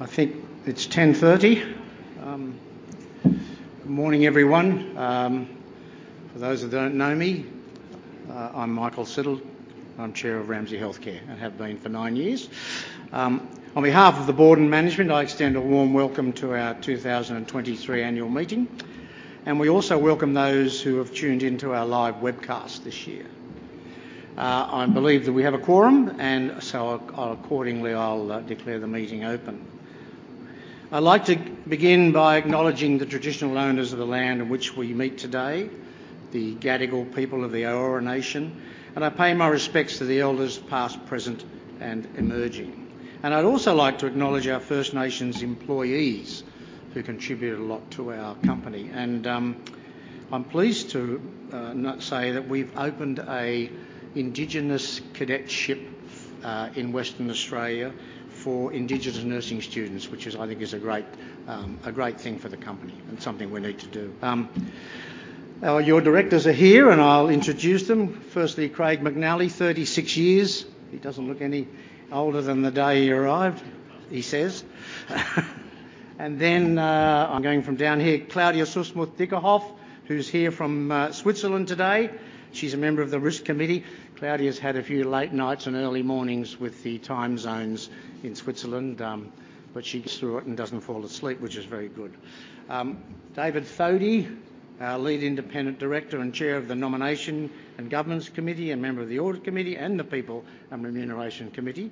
I think it's 10:30 A.M. Good morning, everyone. For those that don't know me, I'm Michael Siddle. I'm Chair of Ramsay Health Care, and have been for 9 years. On behalf of the board and management, I extend a warm welcome to our 2023 annual meeting, and we also welcome those who have tuned into our live webcast this year. I believe that we have a quorum, and so I'll accordingly declare the meeting open. I'd like to begin by acknowledging the traditional owners of the land on which we meet today, the Gadigal people of the Eora nation, and I pay my respects to the elders, past, present, and emerging. I'd also like to acknowledge our First Nations employees, who contribute a lot to our company. I'm pleased to say that we've opened an Indigenous cadetship in Western Australia for Indigenous nursing students, which I think is a great thing for the company and something we need to do. Your directors are here, and I'll introduce them. Firstly, Craig McNally, 36 years. He doesn't look any older than the day he arrived, he says. And then, I'm going from down here, Claudia Süssmuth Dyckerhoff, who's here from Switzerland today. She's a member of the Risk Committee. Claudia's had a few late nights and early mornings with the time zones in Switzerland, but she gets through it and doesn't fall asleep, which is very good. David Thodey, our Lead Independent Director and Chair of the Nomination and Governance Committee, and member of the Audit Committee and the People and Remuneration Committee,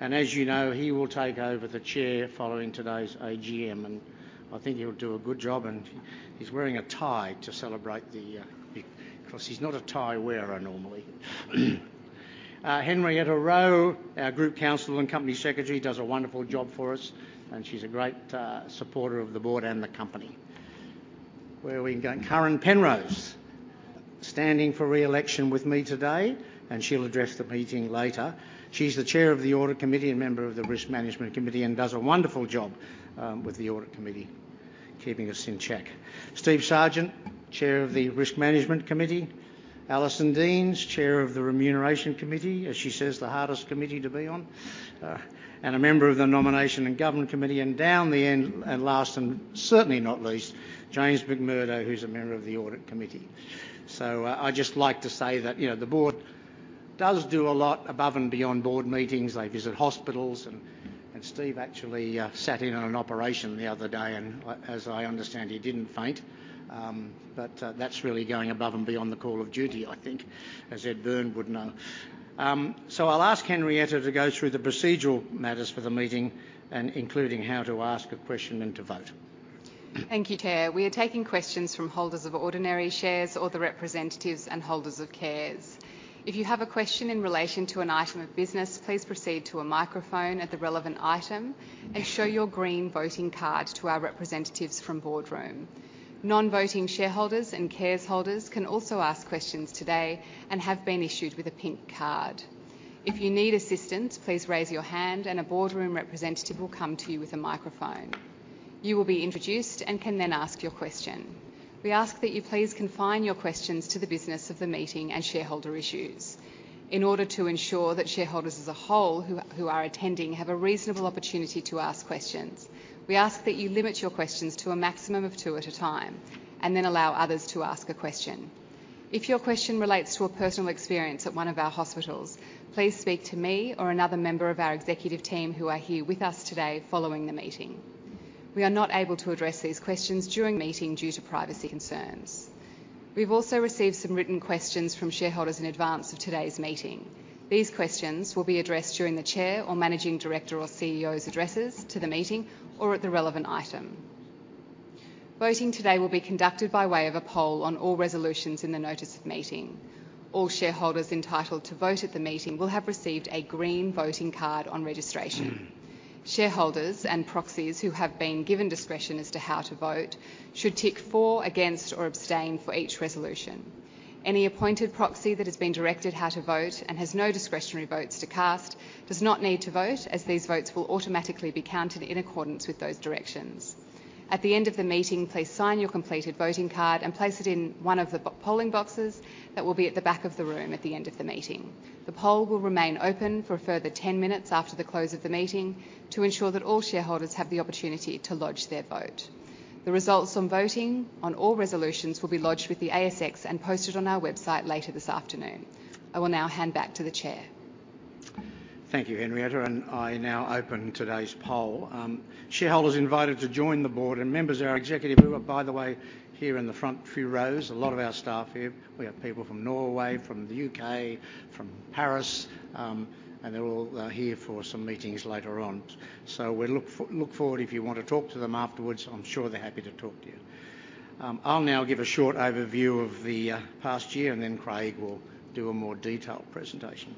and as you know, he will take over the chair following today's AGM, and I think he'll do a good job, and he's wearing a tie to celebrate the, because he's not a tie wearer normally. Henrietta Rowe, our Group Counsel and Company Secretary, does a wonderful job for us, and she's a great supporter of the board and the company. Where are we going? Karen Penrose, standing for re-election with me today, and she'll address the meeting later. She's the Chair of the Audit Committee and member of the Risk Management Committee and does a wonderful job with the Audit Committee, keeping us in check. Steve Sargeant, Chair of the Risk Management Committee. Alison Deans, Chair of the Remuneration Committee, as she says, "The hardest committee to be on," and a member of the Nomination and Governance Committee. And down the end, and last, and certainly not least, James McMurdo, who's a member of the Audit Committee. So, I'd just like to say that, you know, the board does do a lot above and beyond board meetings. They visit hospitals, and Steve actually sat in on an operation the other day, and as I understand, he didn't faint. But that's really going above and beyond the call of duty, I think, as Ed Byrne would know. So I'll ask Henrietta to go through the procedural matters for the meeting, and including how to ask a question and to vote. Thank you, Chair. We are taking questions from holders of ordinary shares or their representatives and holders of CDIs. If you have a question in relation to an item of business, please proceed to a microphone at the relevant item and show your green voting card to our representatives from Boardroom. Non-voting shareholders and CDI holders can also ask questions today and have been issued with a pink card. If you need assistance, please raise your hand and a Boardroom representative will come to you with a microphone. You will be introduced and can then ask your question. We ask that you please confine your questions to the business of the meeting and shareholder issues. In order to ensure that shareholders as a whole who are attending have a reasonable opportunity to ask questions, we ask that you limit your questions to a maximum of two at a time, and then allow others to ask a question. If your question relates to a personal experience at one of our hospitals, please speak to me or another member of our executive team who are here with us today following the meeting. We are not able to address these questions during the meeting due to privacy concerns. We've also received some written questions from shareholders in advance of today's meeting. These questions will be addressed during the Chair or Managing Director or CEO's addresses to the meeting or at the relevant item. Voting today will be conducted by way of a poll on all resolutions in the notice of meeting. All shareholders entitled to vote at the meeting will have received a green voting card on registration. Shareholders and proxies who have been given discretion as to how to vote should tick for, against, or abstain for each resolution. Any appointed proxy that has been directed how to vote and has no discretionary votes to cast does not need to vote, as these votes will automatically be counted in accordance with those directions. At the end of the meeting, please sign your completed voting card and place it in one of the polling boxes that will be at the back of the room at the end of the meeting. The poll will remain open for a further 10 minutes after the close of the meeting to ensure that all shareholders have the opportunity to lodge their vote. The results from voting on all resolutions will be lodged with the ASX and posted on our website later this afternoon. I will now hand back to the chair. Thank you, Henrietta, and I now open today's poll. Shareholders invited to join the board and members of our executive, who are, by the way, here in the front few rows; a lot of our staff are here. We have people from Norway, from the U.K., from Paris, and they're all here for some meetings later on. So we look forward if you want to talk to them afterwards; I'm sure they're happy to talk to you. I'll now give a short overview of the past year, and then Craig will do a more detailed presentation.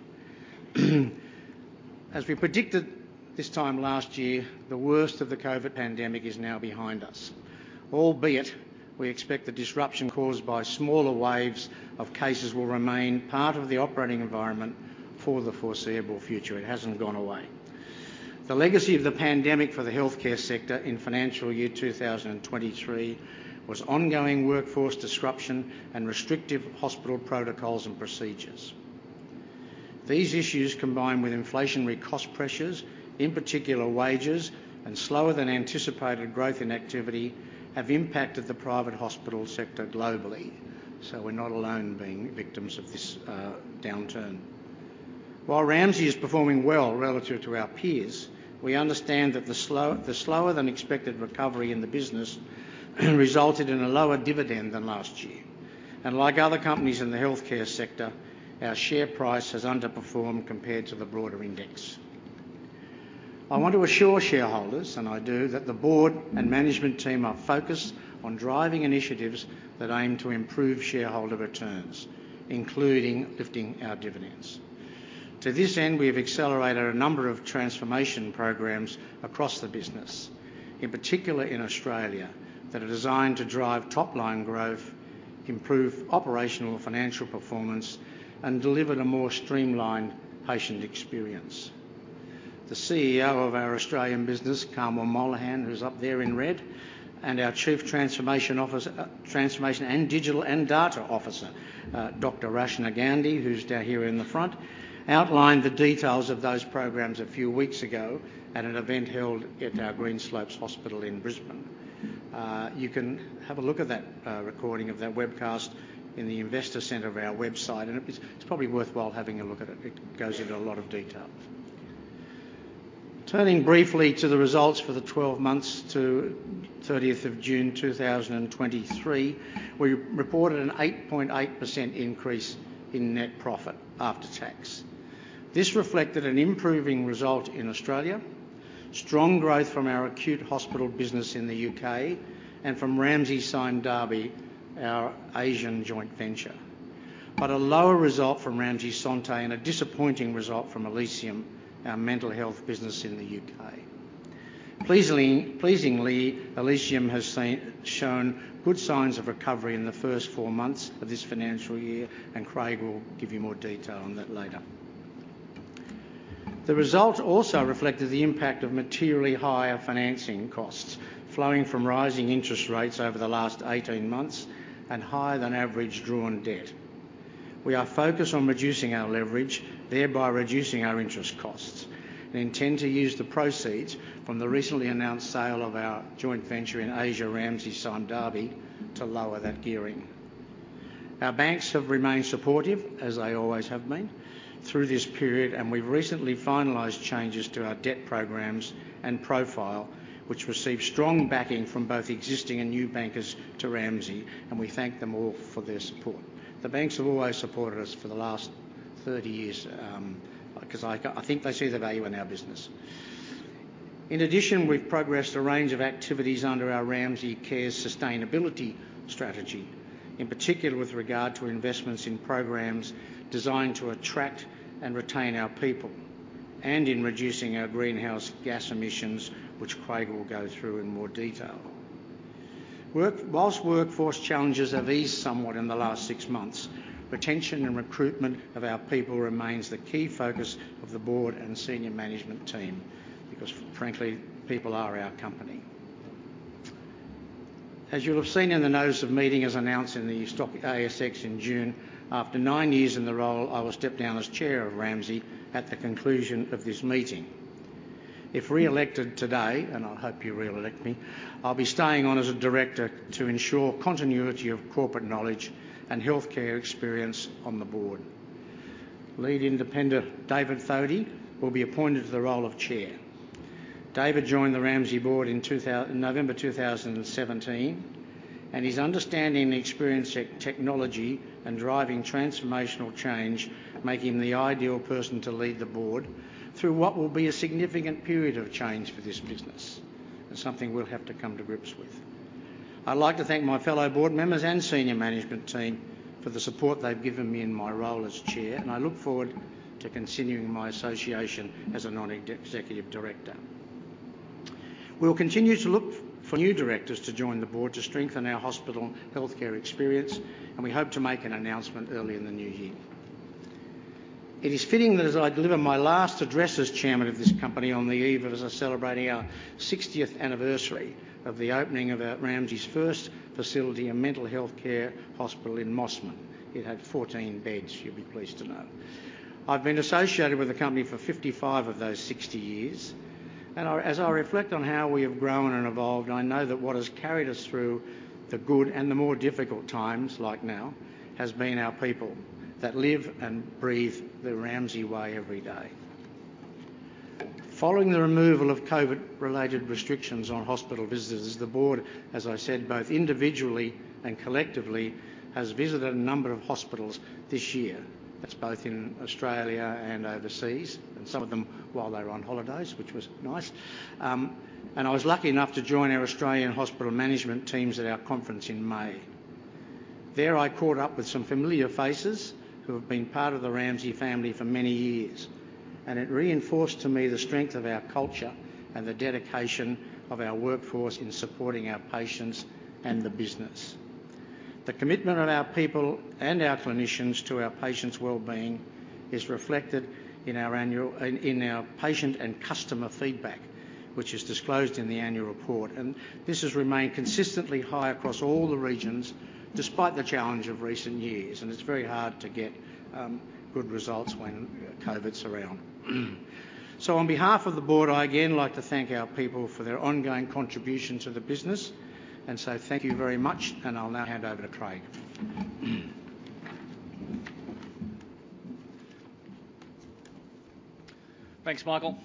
As we predicted this time last year, the worst of the COVID pandemic is now behind us. Albeit, we expect the disruption caused by smaller waves of cases will remain part of the operating environment for the foreseeable future. It hasn't gone away. The legacy of the pandemic for the healthcare sector in financial year 2023 was ongoing workforce disruption and restrictive hospital protocols and procedures... These issues, combined with inflationary cost pressures, in particular wages, and slower than anticipated growth in activity, have impacted the private hospital sector globally. So we're not alone being victims of this downturn. While Ramsay is performing well relative to our peers, we understand that the slower than expected recovery in the business resulted in a lower dividend than last year. Like other companies in the healthcare sector, our share price has underperformed compared to the broader index. I want to assure shareholders, and I do, that the board and management team are focused on driving initiatives that aim to improve shareholder returns, including lifting our dividends. To this end, we have accelerated a number of transformation programs across the business, in particular in Australia, that are designed to drive top-line growth, improve operational financial performance, and deliver a more streamlined patient experience. The CEO of our Australian business, Carmel Monaghan, who's up there in red, and our Chief Transformation Officer, Transformation and Digital and Data Officer, Dr. Rachna Gandhi, who's down here in the front, outlined the details of those programs a few weeks ago at an event held at our Greenslopes Hospital in Brisbane. You can have a look at that recording of that webcast in the investor center of our website, and it, it's probably worthwhile having a look at it. It goes into a lot of detail. Turning briefly to the results for the 12 months to 30th of June 2023, we reported an 8.8% increase in net profit after tax. This reflected an improving result in Australia, strong growth from our acute hospital business in the U.K., and from Ramsay Sime Darby, our Asian joint venture, but a lower result from Ramsay Santé and a disappointing result from Elysium, our mental health business in the U.K. Pleasingly, Elysium has shown good signs of recovery in the first four months of this financial year, and Craig will give you more detail on that later. The result also reflected the impact of materially higher financing costs, flowing from rising interest rates over the last 18 months and higher than average drawn debt. We are focused on reducing our leverage, thereby reducing our interest costs, and intend to use the proceeds from the recently announced sale of our joint venture in Asia, Ramsay Sime Darby, to lower that gearing. Our banks have remained supportive, as they always have been, through this period, and we've recently finalized changes to our debt programs and profile, which received strong backing from both existing and new bankers to Ramsay, and we thank them all for their support. The banks have always supported us for the last 30 years, 'cause I think they see the value in our business. In addition, we've progressed a range of activities under our Ramsay Care Sustainability strategy, in particular with regard to investments in programs designed to attract and retain our people and in reducing our greenhouse gas emissions, which Craig will go through in more detail. While workforce challenges have eased somewhat in the last six months, retention and recruitment of our people remains the key focus of the board and senior management team, because frankly, people are our company. As you'll have seen in the notice of meeting, as announced in the stock ASX in June, after nine years in the role, I will step down as chair of Ramsay at the conclusion of this meeting. If reelected today, and I hope you reelect me, I'll be staying on as a director to ensure continuity of corporate knowledge and healthcare experience on the board. Lead independent, David Thodey, will be appointed to the role of chair. David joined the Ramsay board in November 2017, and his understanding and experience in technology and driving transformational change make him the ideal person to lead the board through what will be a significant period of change for this business, and something we'll have to come to grips with. I'd like to thank my fellow board members and senior management team for the support they've given me in my role as chair, and I look forward to continuing my association as a non-executive director. We'll continue to look for new directors to join the board to strengthen our hospital healthcare experience, and we hope to make an announcement early in the new year. It is fitting that as I deliver my last address as chairman of this company on the eve of us celebrating our 60th anniversary of the opening of Ramsay's first facility and mental health care hospital in Mosman. It had 14 beds, you'd be pleased to know. I've been associated with the company for 55 of those 60 years, and as I reflect on how we have grown and evolved, I know that what has carried us through the good and the more difficult times, like now, has been our people, that live and breathe The Ramsay Way every day. Following the removal of COVID-related restrictions on hospital visitors, the board, as I said, both individually and collectively, has visited a number of hospitals this year. That's both in Australia and overseas, and some of them while they were on holidays, which was nice. I was lucky enough to join our Australian hospital management teams at our conference in May. There, I caught up with some familiar faces who have been part of the Ramsay family for many years, and it reinforced to me the strength of our culture and the dedication of our workforce in supporting our patients and the business. The commitment of our people and our clinicians to our patients' well-being is reflected in our annual patient and customer feedback, which is disclosed in the annual report, and this has remained consistently high across all the regions, despite the challenge of recent years, and it's very hard to get good results when COVID's around. So on behalf of the board, I again like to thank our people for their ongoing contribution to the business, and so thank you very much, and I'll now hand over to Craig. Thanks, Michael.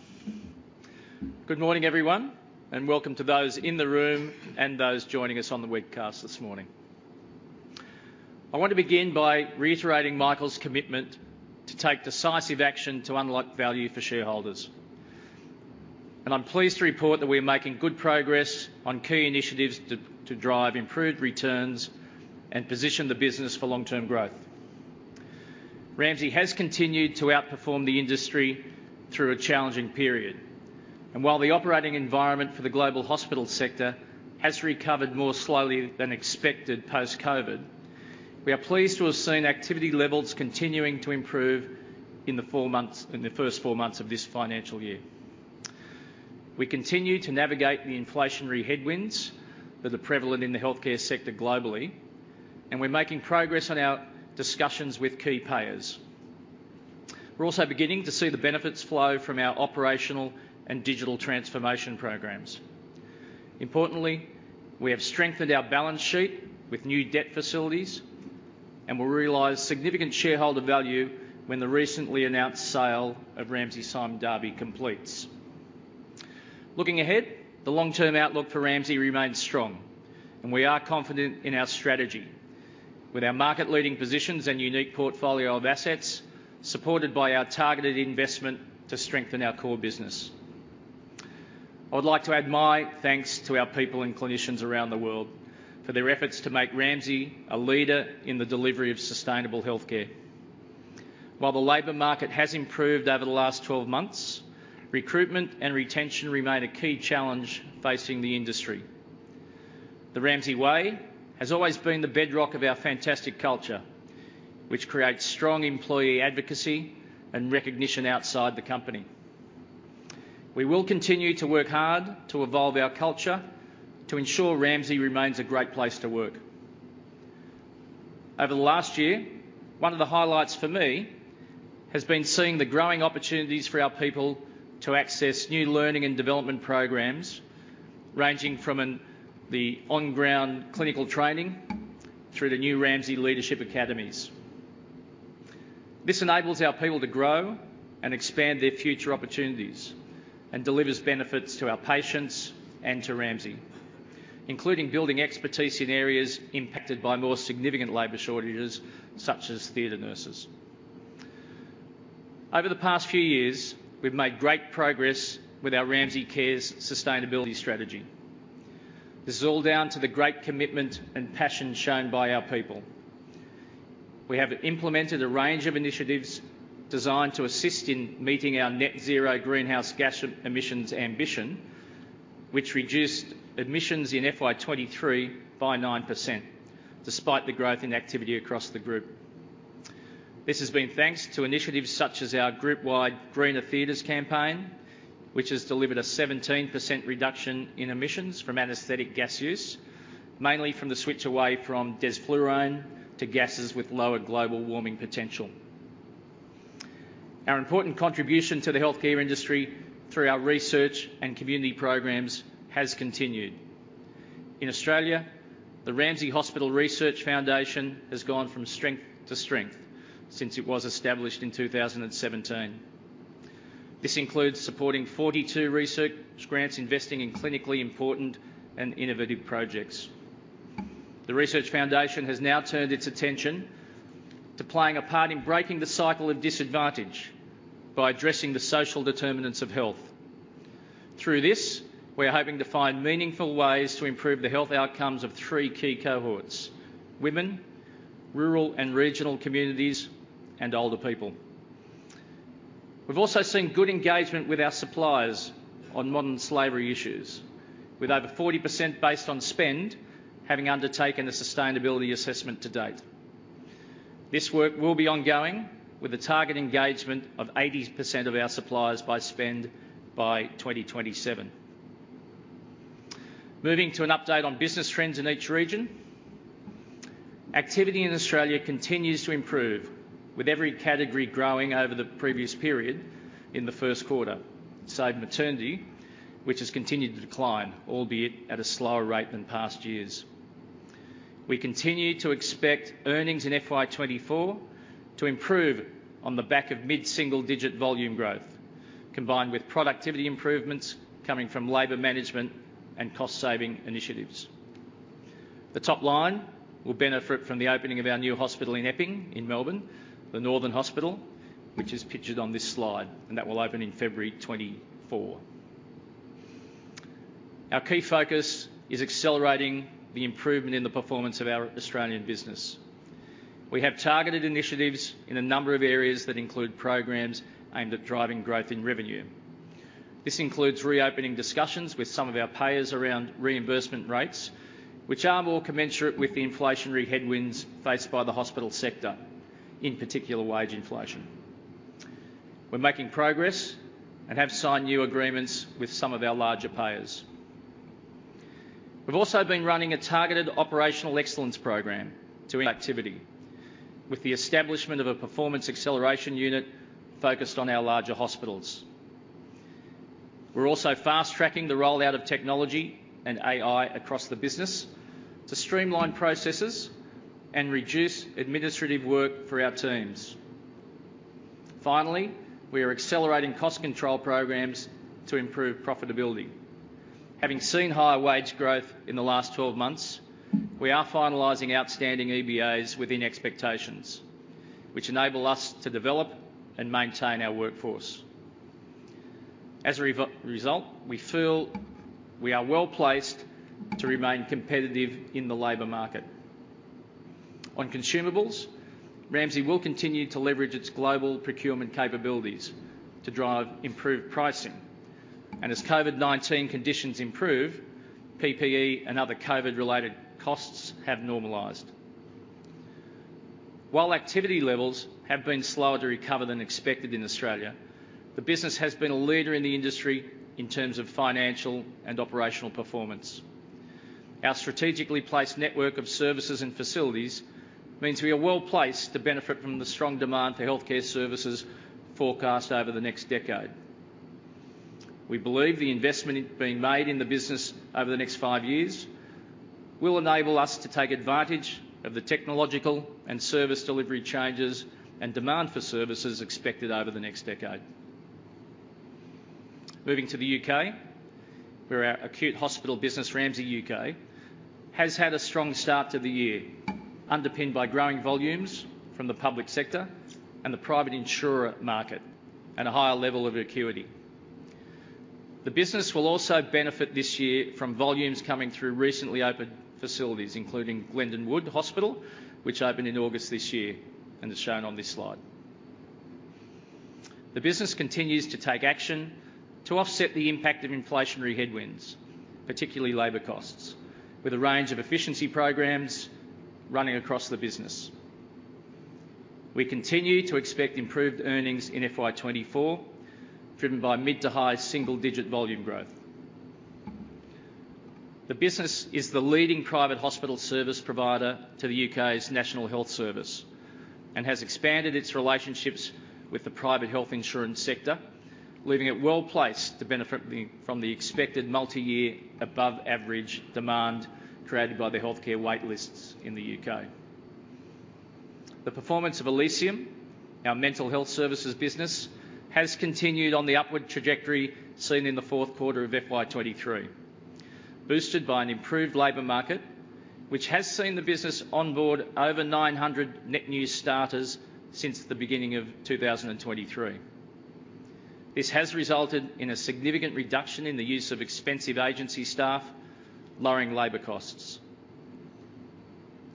Good morning, everyone, and welcome to those in the room and those joining us on the webcast this morning. I want to begin by reiterating Michael's commitment to take decisive action to unlock value for shareholders. I'm pleased to report that we're making good progress on key initiatives to drive improved returns and position the business for long-term growth. Ramsay has continued to outperform the industry through a challenging period, and while the operating environment for the global hospital sector has recovered more slowly than expected post-COVID, we are pleased to have seen activity levels continuing to improve in the four months, in the first four months of this financial year. We continue to navigate the inflationary headwinds that are prevalent in the healthcare sector globally, and we're making progress on our discussions with key payers. We're also beginning to see the benefits flow from our operational and digital transformation programs. Importantly, we have strengthened our balance sheet with new debt facilities, and will realize significant shareholder value when the recently announced sale of Ramsay Sime Darby completes. Looking ahead, the long-term outlook for Ramsay remains strong, and we are confident in our strategy. With our market-leading positions and unique portfolio of assets, supported by our targeted investment to strengthen our core business. I would like to add my thanks to our people and clinicians around the world for their efforts to make Ramsay a leader in the delivery of sustainable healthcare. While the labor market has improved over the last 12 months, recruitment and retention remain a key challenge facing the industry. The Ramsay Way has always been the bedrock of our fantastic culture, which creates strong employee advocacy and recognition outside the company. We will continue to work hard to evolve our culture to ensure Ramsay remains a great place to work. Over the last year, one of the highlights for me has been seeing the growing opportunities for our people to access new learning and development programs, ranging from the on-ground clinical training through the new Ramsay Leadership Academies. This enables our people to grow and expand their future opportunities and delivers benefits to our patients and to Ramsay, including building expertise in areas impacted by more significant labor shortages, such as theater nurses. Over the past few years, we've made great progress with our Ramsay Cares sustainability strategy. This is all down to the great commitment and passion shown by our people. We have implemented a range of initiatives designed to assist in meeting our Net Zero greenhouse gas emissions ambition, which reduced emissions in FY 2023 by 9%, despite the growth in activity across the group. This has been thanks to initiatives such as our group-wide Greener Theatres campaign, which has delivered a 17% reduction in emissions from anesthetic gas use, mainly from the switch away from desflurane to gases with lower global warming potential. Our important contribution to the healthcare industry through our research and community programs has continued. In Australia, the Ramsay Hospital Research Foundation has gone from strength to strength since it was established in 2017. This includes supporting 42 research grants, investing in clinically important and innovative projects. The Research Foundation has now turned its attention to playing a part in breaking the cycle of disadvantage by addressing the social determinants of health. Through this, we are hoping to find meaningful ways to improve the health outcomes of three key cohorts: women, rural and regional communities, and older people. We've also seen good engagement with our suppliers on modern slavery issues, with over 40% based on spend, having undertaken a sustainability assessment to date. This work will be ongoing, with a target engagement of 80% of our suppliers by spend by 2027. Moving to an update on business trends in each region. Activity in Australia continues to improve, with every category growing over the previous period in the first quarter, save maternity, which has continued to decline, albeit at a slower rate than past years. We continue to expect earnings in FY 2024 to improve on the back of mid-single-digit volume growth, combined with productivity improvements coming from labor management and cost-saving initiatives. The top line will benefit from the opening of our new hospital in Epping, in Melbourne, the Northern Hospital, which is pictured on this slide, and that will open in February 2024. Our key focus is accelerating the improvement in the performance of our Australian business. We have targeted initiatives in a number of areas that include programs aimed at driving growth in revenue. This includes reopening discussions with some of our payers around reimbursement rates, which are more commensurate with the inflationary headwinds faced by the hospital sector... in particular, wage inflation. We're making progress and have signed new agreements with some of our larger payers. We've also been running a targeted operational excellence program to drive activity, with the establishment of a performance acceleration unit focused on our larger hospitals. We're also fast-tracking the rollout of technology and AI across the business to streamline processes and reduce administrative work for our teams. Finally, we are accelerating cost control programs to improve profitability. Having seen higher wage growth in the last 12 months, we are finalizing outstanding EBAs within expectations, which enable us to develop and maintain our workforce. As a result, we feel we are well placed to remain competitive in the labor market. On consumables, Ramsay will continue to leverage its global procurement capabilities to drive improved pricing, and as COVID-19 conditions improve, PPE and other COVID-related costs have normalized. While activity levels have been slower to recover than expected in Australia, the business has been a leader in the industry in terms of financial and operational performance. Our strategically placed network of services and facilities means we are well placed to benefit from the strong demand for healthcare services forecast over the next decade. We believe the investment being made in the business over the next five years will enable us to take advantage of the technological and service delivery changes and demand for services expected over the next decade. Moving to the U.K., where our acute hospital business, Ramsay UK, has had a strong start to the year, underpinned by growing volumes from the public sector and the private insurer market, and a higher level of acuity. The business will also benefit this year from volumes coming through recently opened facilities, including Glendon Wood Hospital, which opened in August this year and is shown on this slide. The business continues to take action to offset the impact of inflationary headwinds, particularly labor costs, with a range of efficiency programs running across the business. We continue to expect improved earnings in FY 2024, driven by mid- to high-single-digit volume growth. The business is the leading private hospital service provider to the U.K.'s National Health Service, and has expanded its relationships with the private health insurance sector, leaving it well placed to benefit from the expected multi-year, above-average demand created by the healthcare wait lists in the U.K. The performance of Elysium, our mental health services business, has continued on the upward trajectory seen in the fourth quarter of FY 2023, boosted by an improved labor market, which has seen the business onboard over 900 net new starters since the beginning of 2023. This has resulted in a significant reduction in the use of expensive agency staff, lowering labor costs.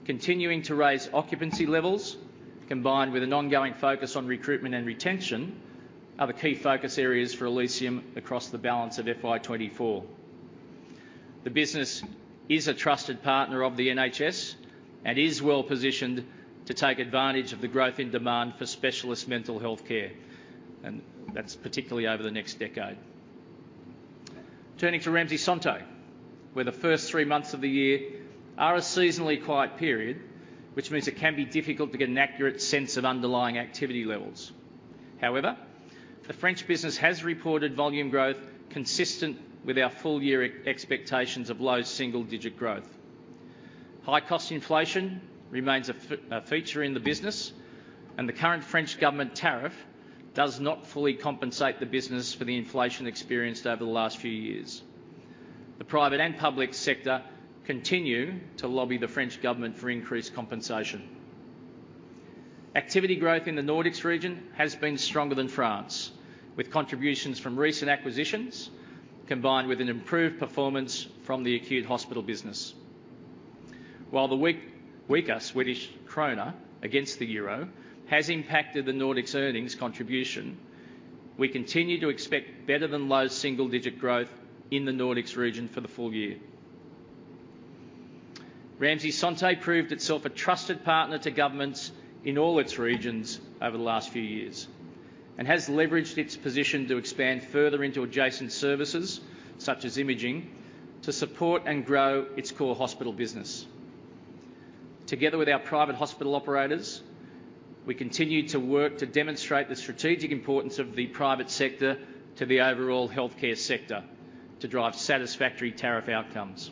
Continuing to raise occupancy levels, combined with an ongoing focus on recruitment and retention, are the key focus areas for Elysium across the balance of FY 2024. The business is a trusted partner of the NHS and is well positioned to take advantage of the growth in demand for specialist mental health care, and that's particularly over the next decade. Turning to Ramsay Santé, where the first three months of the year are a seasonally quiet period, which means it can be difficult to get an accurate sense of underlying activity levels. However, the French business has reported volume growth consistent with our full year expectations of low single-digit growth. High cost inflation remains a feature in the business, and the current French government tariff does not fully compensate the business for the inflation experienced over the last few years. The private and public sector continue to lobby the French government for increased compensation. Activity growth in the Nordics region has been stronger than France, with contributions from recent acquisitions, combined with an improved performance from the acute hospital business. While the weaker Swedish krona against the euro has impacted the Nordics earnings contribution, we continue to expect better than low single-digit growth in the Nordics region for the full year. Ramsay Santé proved itself a trusted partner to governments in all its regions over the last few years, and has leveraged its position to expand further into adjacent services, such as imaging, to support and grow its core hospital business. Together with our private hospital operators, we continue to work to demonstrate the strategic importance of the private sector to the overall healthcare sector, to drive satisfactory tariff outcomes.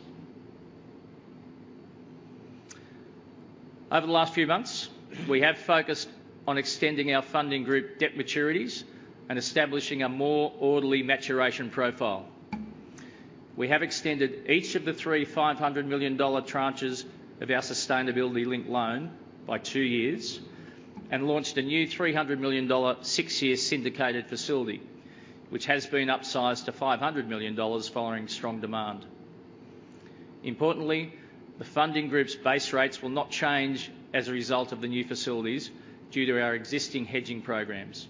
Over the last few months, we have focused on extending our funding group debt maturities and establishing a more orderly maturation profile. We have extended each of the three $500 million tranches of our sustainability-linked loan by two years and launched a new $300 million six-year syndicated facility, which has been upsized to $500 million following strong demand. Importantly, the funding group's base rates will not change as a result of the new facilities due to our existing hedging programs.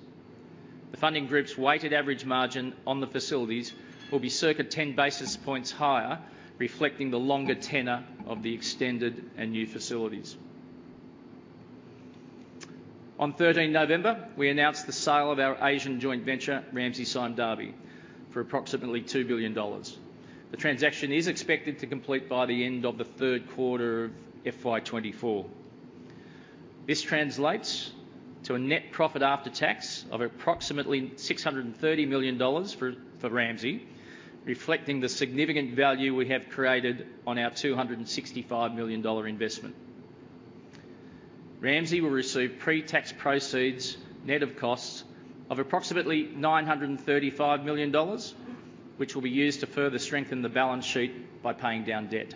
The funding group's weighted average margin on the facilities will be circa 10 basis points higher, reflecting the longer tenor of the extended and new facilities. On 13 November, we announced the sale of our Asian joint venture, Ramsay Sime Darby, for approximately $2 billion. The transaction is expected to complete by the end of the third quarter of FY 2024. This translates to a net profit after tax of approximately 630 million dollars for Ramsay, reflecting the significant value we have created on our 265 million dollar investment. Ramsay will receive pre-tax proceeds, net of costs, of approximately 935 million dollars, which will be used to further strengthen the balance sheet by paying down debt.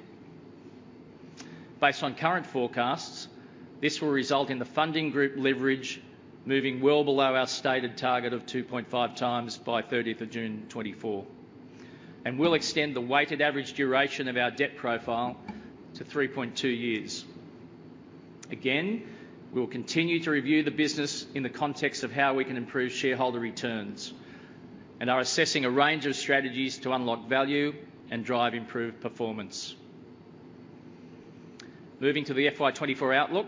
Based on current forecasts, this will result in the funding group leverage moving well below our stated target of 2.5x by 30th of June 2024, and will extend the weighted average duration of our debt profile to 3.2 years. Again, we will continue to review the business in the context of how we can improve shareholder returns and are assessing a range of strategies to unlock value and drive improved performance. Moving to the FY 2024 outlook,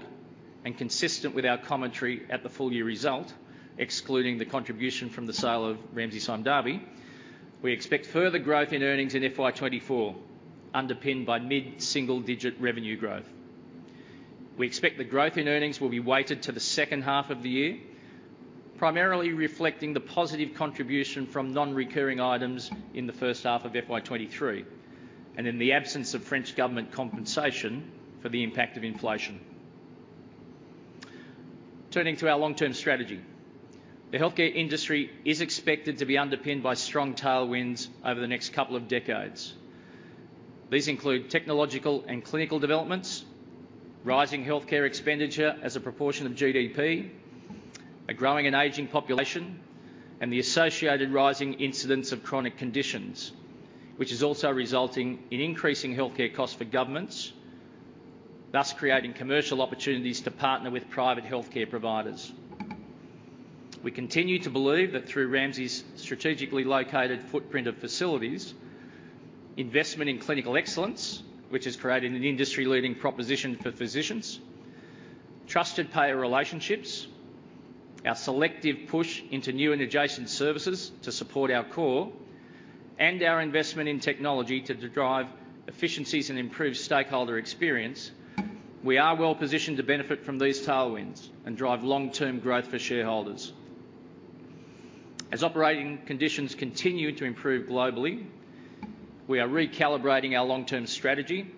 and consistent with our commentary at the full-year result, excluding the contribution from the sale of Ramsay Sime Darby, we expect further growth in earnings in FY 2024, underpinned by mid-single-digit revenue growth. We expect the growth in earnings will be weighted to the second half of the year, primarily reflecting the positive contribution from non-recurring items in the first half of FY 2023, and in the absence of French government compensation for the impact of inflation. Turning to our long-term strategy, the healthcare industry is expected to be underpinned by strong tailwinds over the next couple of decades. These include technological and clinical developments, rising healthcare expenditure as a proportion of GDP, a growing and aging population, and the associated rising incidence of chronic conditions, which is also resulting in increasing healthcare costs for governments, thus creating commercial opportunities to partner with private healthcare providers. We continue to believe that through Ramsay's strategically located footprint of facilities, investment in clinical excellence, which has created an industry-leading proposition for physicians, trusted payer relationships, our selective push into new and adjacent services to support our core, and our investment in technology to drive efficiencies and improve stakeholder experience, we are well positioned to benefit from these tailwinds and drive long-term growth for shareholders. As operating conditions continue to improve globally, we are recalibrating our long-term strategy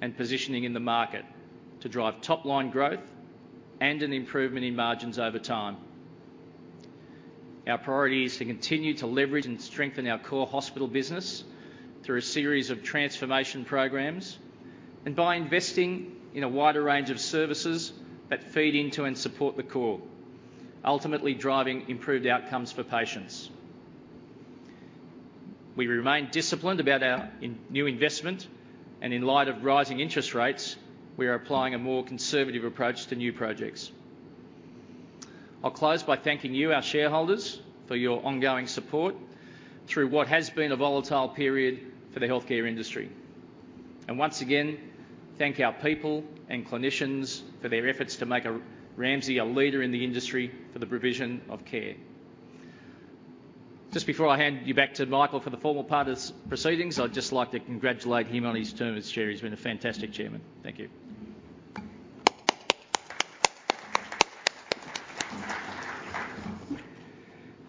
and positioning in the market to drive top-line growth and an improvement in margins over time. Our priority is to continue to leverage and strengthen our core hospital business through a series of transformation programs and by investing in a wider range of services that feed into and support the core, ultimately driving improved outcomes for patients. We remain disciplined about our new investment, and in light of rising interest rates, we are applying a more conservative approach to new projects. I'll close by thanking you, our shareholders, for your ongoing support through what has been a volatile period for the healthcare industry, and once again, thank our people and clinicians for their efforts to make Ramsay a leader in the industry for the provision of care. Just before I hand you back to Michael for the formal part of proceedings, I'd just like to congratulate him on his term as chair. He's been a fantastic chairman. Thank you.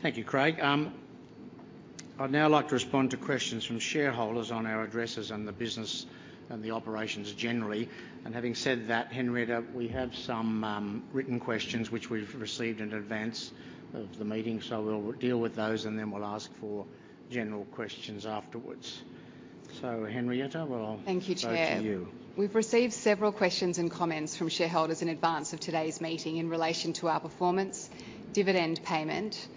Thank you, Craig. I'd now like to respond to questions from shareholders on our addresses and the business and the operations generally. And having said that, Henrietta, we have some written questions which we've received in advance of the meeting, so we'll deal with those, and then we'll ask for general questions afterwards. So, Henrietta, we'll- Thank you, Chair. Go to you. We've received several questions and comments from shareholders in advance of today's meeting in relation to our performance, dividend payment,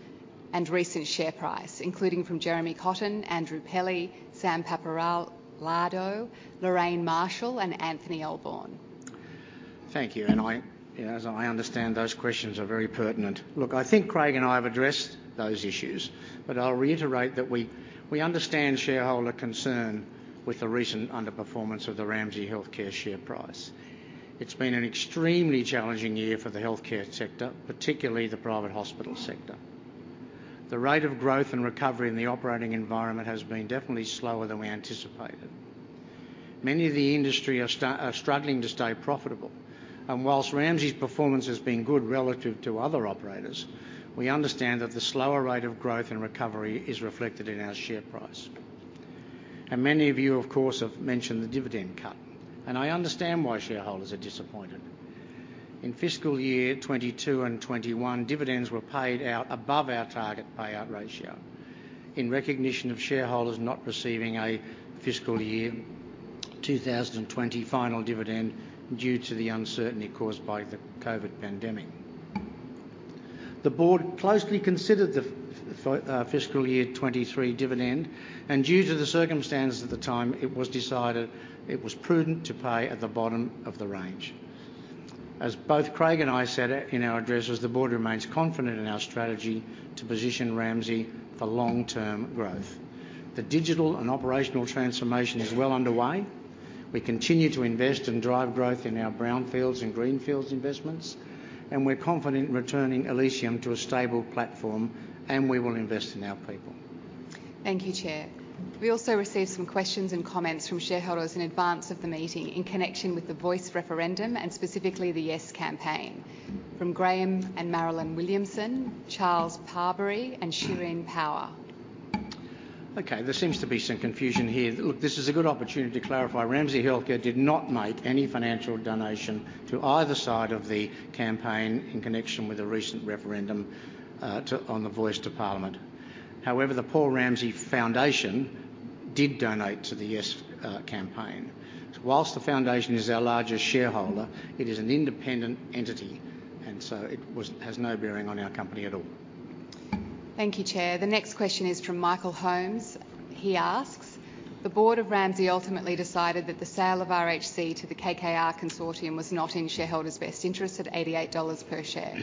and recent share price, including from Jeremy Cotton, Andrew Pelley, Sam Pappalardo, Lorraine Marshall, and Anthony Elborn. Thank you. And I, as I understand, those questions are very pertinent. Look, I think Craig and I have addressed those issues, but I'll reiterate that we, we understand shareholder concern with the recent underperformance of the Ramsay Health Care share price. It's been an extremely challenging year for the healthcare sector, particularly the private hospital sector. The rate of growth and recovery in the operating environment has been definitely slower than we anticipated. Many of the industry are struggling to stay profitable, and whilst Ramsay's performance has been good relative to other operators, we understand that the slower rate of growth and recovery is reflected in our share price. And many of you, of course, have mentioned the dividend cut, and I understand why shareholders are disappointed. In fiscal year 2022 and 2021, dividends were paid out above our target payout ratio in recognition of shareholders not receiving a fiscal year 2020 final dividend due to the uncertainty caused by the COVID pandemic. The board closely considered the fiscal year 2023 dividend, and due to the circumstances at the time, it was decided it was prudent to pay at the bottom of the range. As both Craig and I said in our addresses, the board remains confident in our strategy to position Ramsay for long-term growth. The digital and operational transformation is well underway. We continue to invest and drive growth in our brownfields and greenfields investments, and we're confident in returning Elysium to a stable platform, and we will invest in our people. Thank you, Chair. We also received some questions and comments from shareholders in advance of the meeting in connection with the Voice referendum, and specifically the Yes campaign, from Graham and Marilyn Williamson, Charles Parberry, and Shireen Power. Okay, there seems to be some confusion here. Look, this is a good opportunity to clarify. Ramsay Health Care did not make any financial donation to either side of the campaign in connection with the recent referendum on the Voice to Parliament. However, the Paul Ramsay Foundation did donate to the Yes campaign. While the foundation is our largest shareholder, it is an independent entity, and so it has no bearing on our company at all. Thank you, Chair. The next question is from Michael Holmes. He asks: "The board of Ramsay ultimately decided that the sale of RHC to the KKR consortium was not in shareholders' best interest at AUD 88 per share.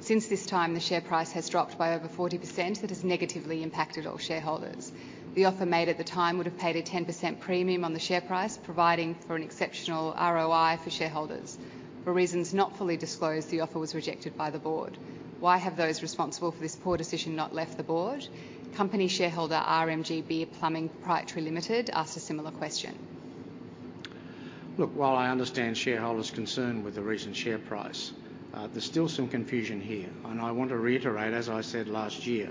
Since this time, the share price has dropped by over 40%; that has negatively impacted all shareholders. The offer made at the time would have paid a 10% premium on the share price, providing for an exceptional ROI for shareholders. For reasons not fully disclosed, the offer was rejected by the board. Why have those responsible for this poor decision not left the board?" The company shareholder, RMGB Plumbing Proprietary Limited, asked a similar question. Look, while I understand shareholders' concern with the recent share price, there's still some confusion here, and I want to reiterate, as I said last year,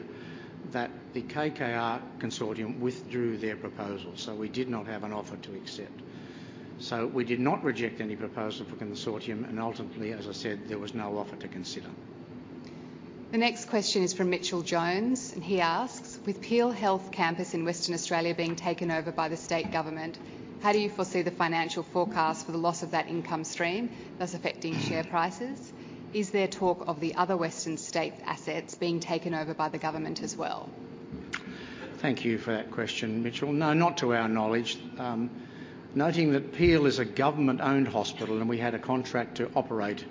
that the KKR consortium withdrew their proposal, so we did not have an offer to accept. So we did not reject any proposal from consortium, and ultimately, as I said, there was no offer to consider. The next question is from Mitchell Jones, and he asks: "With Peel Health Campus in Western Australia being taken over by the state government, how do you foresee the financial forecast for the loss of that income stream, thus affecting share prices? Is there talk of the other Western state assets being taken over by the government as well? Thank you for that question, Mitchell. No, not to our knowledge. Noting that Peel is a government-owned hospital, and we had a contract to operate,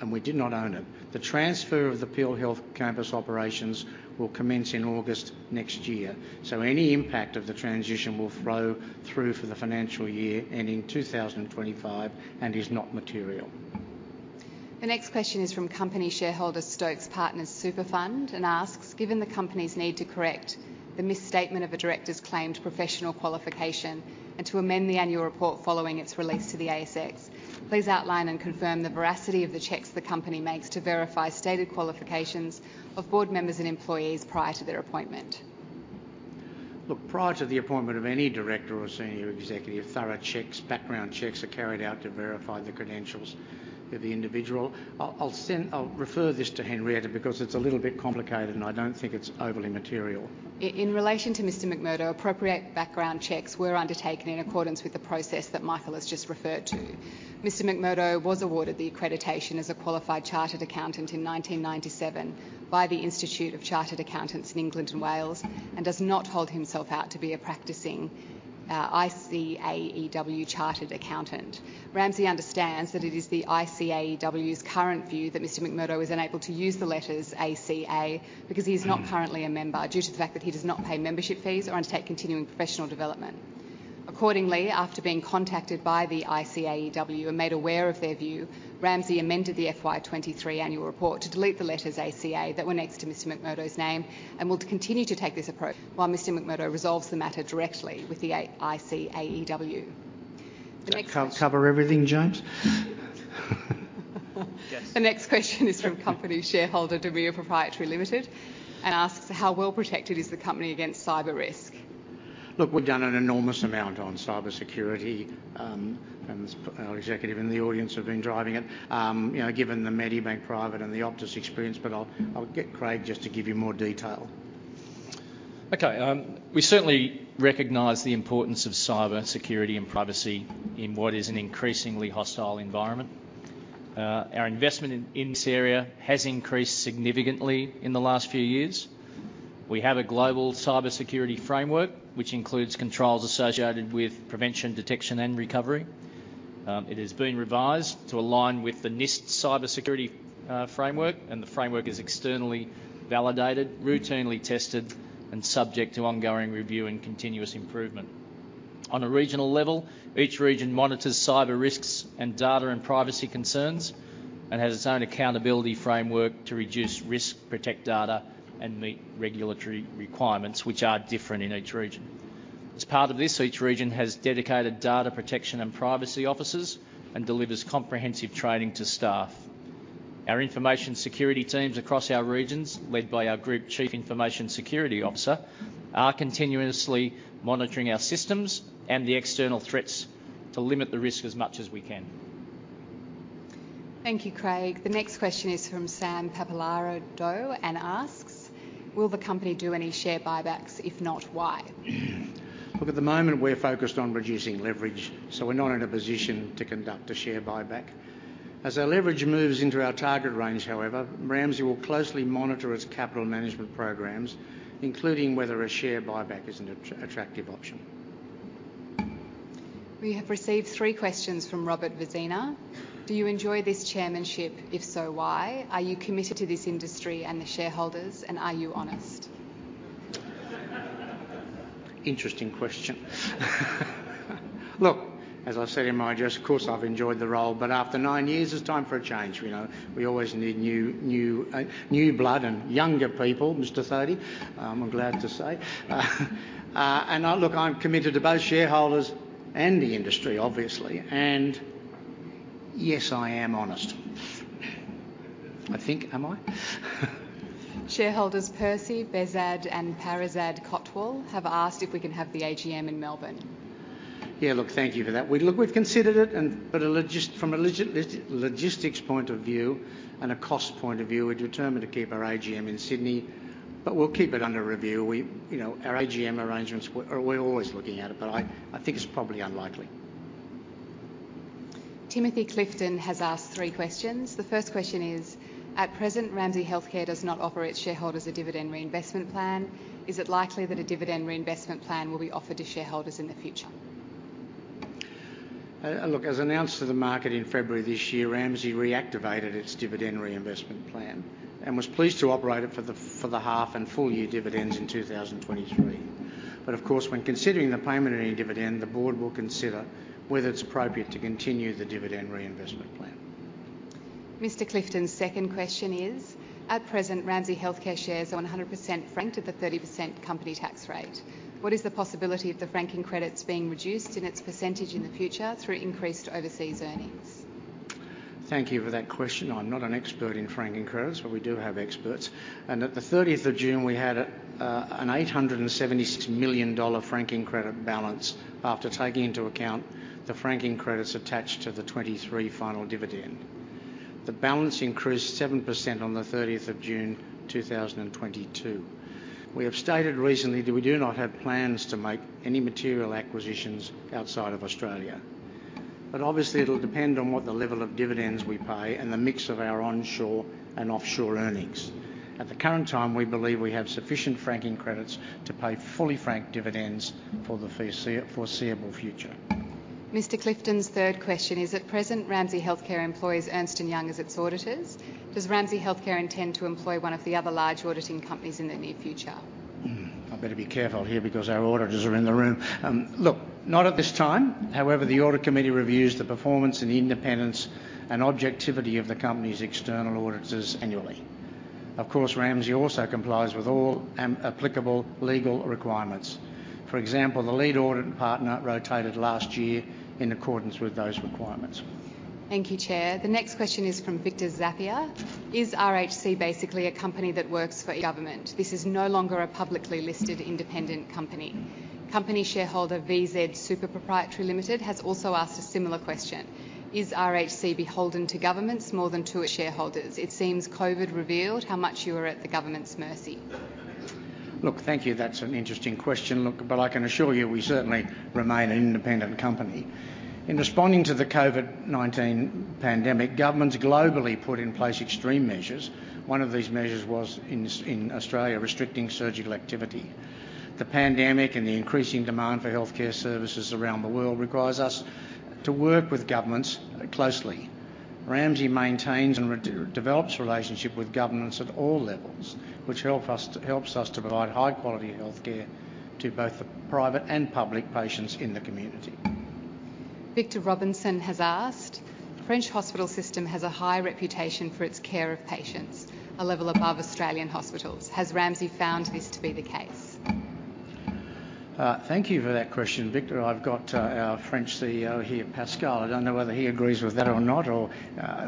and we did not own it. The transfer of the Peel Health Campus operations will commence in August next year, so any impact of the transition will flow through for the financial year ending 2025 and is not material. The next question is from company shareholder, Stokes Partners Superfund, and asks: "Given the company's need to correct the misstatement of a director's claimed professional qualification and to amend the annual report following its release to the ASX, please outline and confirm the veracity of the checks the company makes to verify stated qualifications of board members and employees prior to their appointment. Look, prior to the appointment of any director or senior executive, thorough checks, background checks are carried out to verify the credentials of the individual. I'll refer this to Henrietta, because it's a little bit complicated, and I don't think it's overly material. In relation to Mr. McMurdo, appropriate background checks were undertaken in accordance with the process that Michael has just referred to. Mr. McMurdo was awarded the accreditation as a qualified chartered accountant in 1997 by the Institute of Chartered Accountants in England and Wales, and does not hold himself out to be a practicing ICAEW chartered accountant. Ramsay understands that it is the ICAEW's current view that Mr. McMurdo is unable to use the letters ACA because he is not currently a member, due to the fact that he does not pay membership fees or undertake continuing professional development. Accordingly, after being contacted by the ICAEW and made aware of their view, Ramsay amended the FY23 annual report to delete the letters ACA that were next to Mr. McMurdo's name and will continue to take this approach while Mr. McMurdo resolves the matter directly with the ICAEW. The next- Did that cover everything, James? Yes. The next question is from company shareholder, Demir Proprietary Limited, and asks: "How well protected is the company against cyber risk? Look, we've done an enormous amount on cybersecurity, and there's our executive in the audience have been driving it. You know, given the Medibank Private and the Optus experience, but I'll get Craig just to give you more detail. Okay, we certainly recognize the importance of cybersecurity and privacy in what is an increasingly hostile environment. Our investment in, in this area has increased significantly in the last few years. We have a global cybersecurity framework, which includes controls associated with prevention, detection, and recovery. It is being revised to align with the NIST Cybersecurity Framework, and the framework is externally validated, routinely tested, and subject to ongoing review and continuous improvement. On a regional level, each region monitors cyber risks and data and privacy concerns and has its own accountability framework to reduce risk, protect data, and meet regulatory requirements, which are different in each region. As part of this, each region has dedicated data protection and privacy officers and delivers comprehensive training to staff. Our information security teams across our regions, led by our Group Chief Information Security Officer, are continuously monitoring our systems and the external threats to limit the risk as much as we can. Thank you, Craig. The next question is from Sam Pappalardo and asks: "Will the company do any share buybacks? If not, why? Look, at the moment, we're focused on reducing leverage, so we're not in a position to conduct a share buyback. As our leverage moves into our target range, however, Ramsay will closely monitor its capital management programs, including whether a share buyback is an attractive option.... We have received three questions from Robert Vezina: Do you enjoy this chairmanship? If so, why? Are you committed to this industry and the shareholders, and are you honest? Interesting question. Look, as I've said in my address, of course, I've enjoyed the role, but after nine years, it's time for a change. You know, we always need new blood and younger people, Mr. Thodey, I'm glad to say. Look, I'm committed to both shareholders and the industry, obviously. Yes, I am honest. I think. Am I? Shareholders Percy Behzad, and Parizad Kotwal have asked if we can have the AGM in Melbourne. Yeah, look, thank you for that. Look, we've considered it, and but from a logistics point of view and a cost point of view, we're determined to keep our AGM in Sydney, but we'll keep it under review. You know, our AGM arrangements, we're always looking at it, but I think it's probably unlikely. Timothy Clifton has asked three questions. The first question is: At present, Ramsay Health Care does not offer its shareholders a Dividend Reinvestment Plan. Is it likely that a Dividend Reinvestment Plan will be offered to shareholders in the future? Look, as announced to the market in February this year, Ramsay reactivated its Dividend Reinvestment Plan and was pleased to operate it for the half and full-year dividends in 2023. But of course, when considering the payment of any dividend, the board will consider whether it's appropriate to continue the Dividend Reinvestment Plan. Mr. Clifton's second question is: At present, Ramsay Health Care shares are 100% franked at the 30% company tax rate. What is the possibility of the franking Credits being reduced in its percentage in the future through increased overseas earnings? Thank you for that question. I'm not an expert in franking credits, but we do have experts, and at the 30th of June, we had a 876 million dollar franking credit balance after taking into account the franking credits attached to the 2023 final dividend. The balance increased 7% on the 30th of June 2022. We have stated recently that we do not have plans to make any material acquisitions outside of Australia, but obviously, it'll depend on what the level of dividends we pay and the mix of our onshore and offshore earnings. At the current time, we believe we have sufficient franking credits to pay fully franked dividends for the foreseeable future. Mr. Clifton's third question: At present, Ramsay Health Care employs Ernst & Young as its auditors. Does Ramsay Health Care intend to employ one of the other large auditing companies in the near future? I better be careful here because our auditors are in the room. Look, not at this time. However, the audit committee reviews the performance and independence and objectivity of the company's external auditors annually. Of course, Ramsay also complies with all applicable legal requirements. For example, the lead audit partner rotated last year in accordance with those requirements. Thank you, Chair. The next question is from Victor Zaphir. Is RHC basically a company that works for government? This is no longer a publicly listed independent company. Company shareholder, VZ Super Proprietary Limited, has also asked a similar question: Is RHC beholden to governments more than to its shareholders? It seems COVID revealed how much you are at the government's mercy. Look, thank you. That's an interesting question. Look, but I can assure you, we certainly remain an independent company. In responding to the COVID-19 pandemic, governments globally put in place extreme measures. One of these measures was in Australia, restricting surgical activity. The pandemic and the increasing demand for healthcare services around the world requires us to work with governments closely. Ramsay maintains and redevelops relationships with governments at all levels, which helps us to provide high-quality healthcare to both the private and public patients in the community. Victor Robinson has asked: French hospital system has a high reputation for its care of patients, a level above Australian hospitals. Has Ramsay found this to be the case? Thank you for that question, Victor. I've got our French CEO here, Pascal. I don't know whether he agrees with that or not or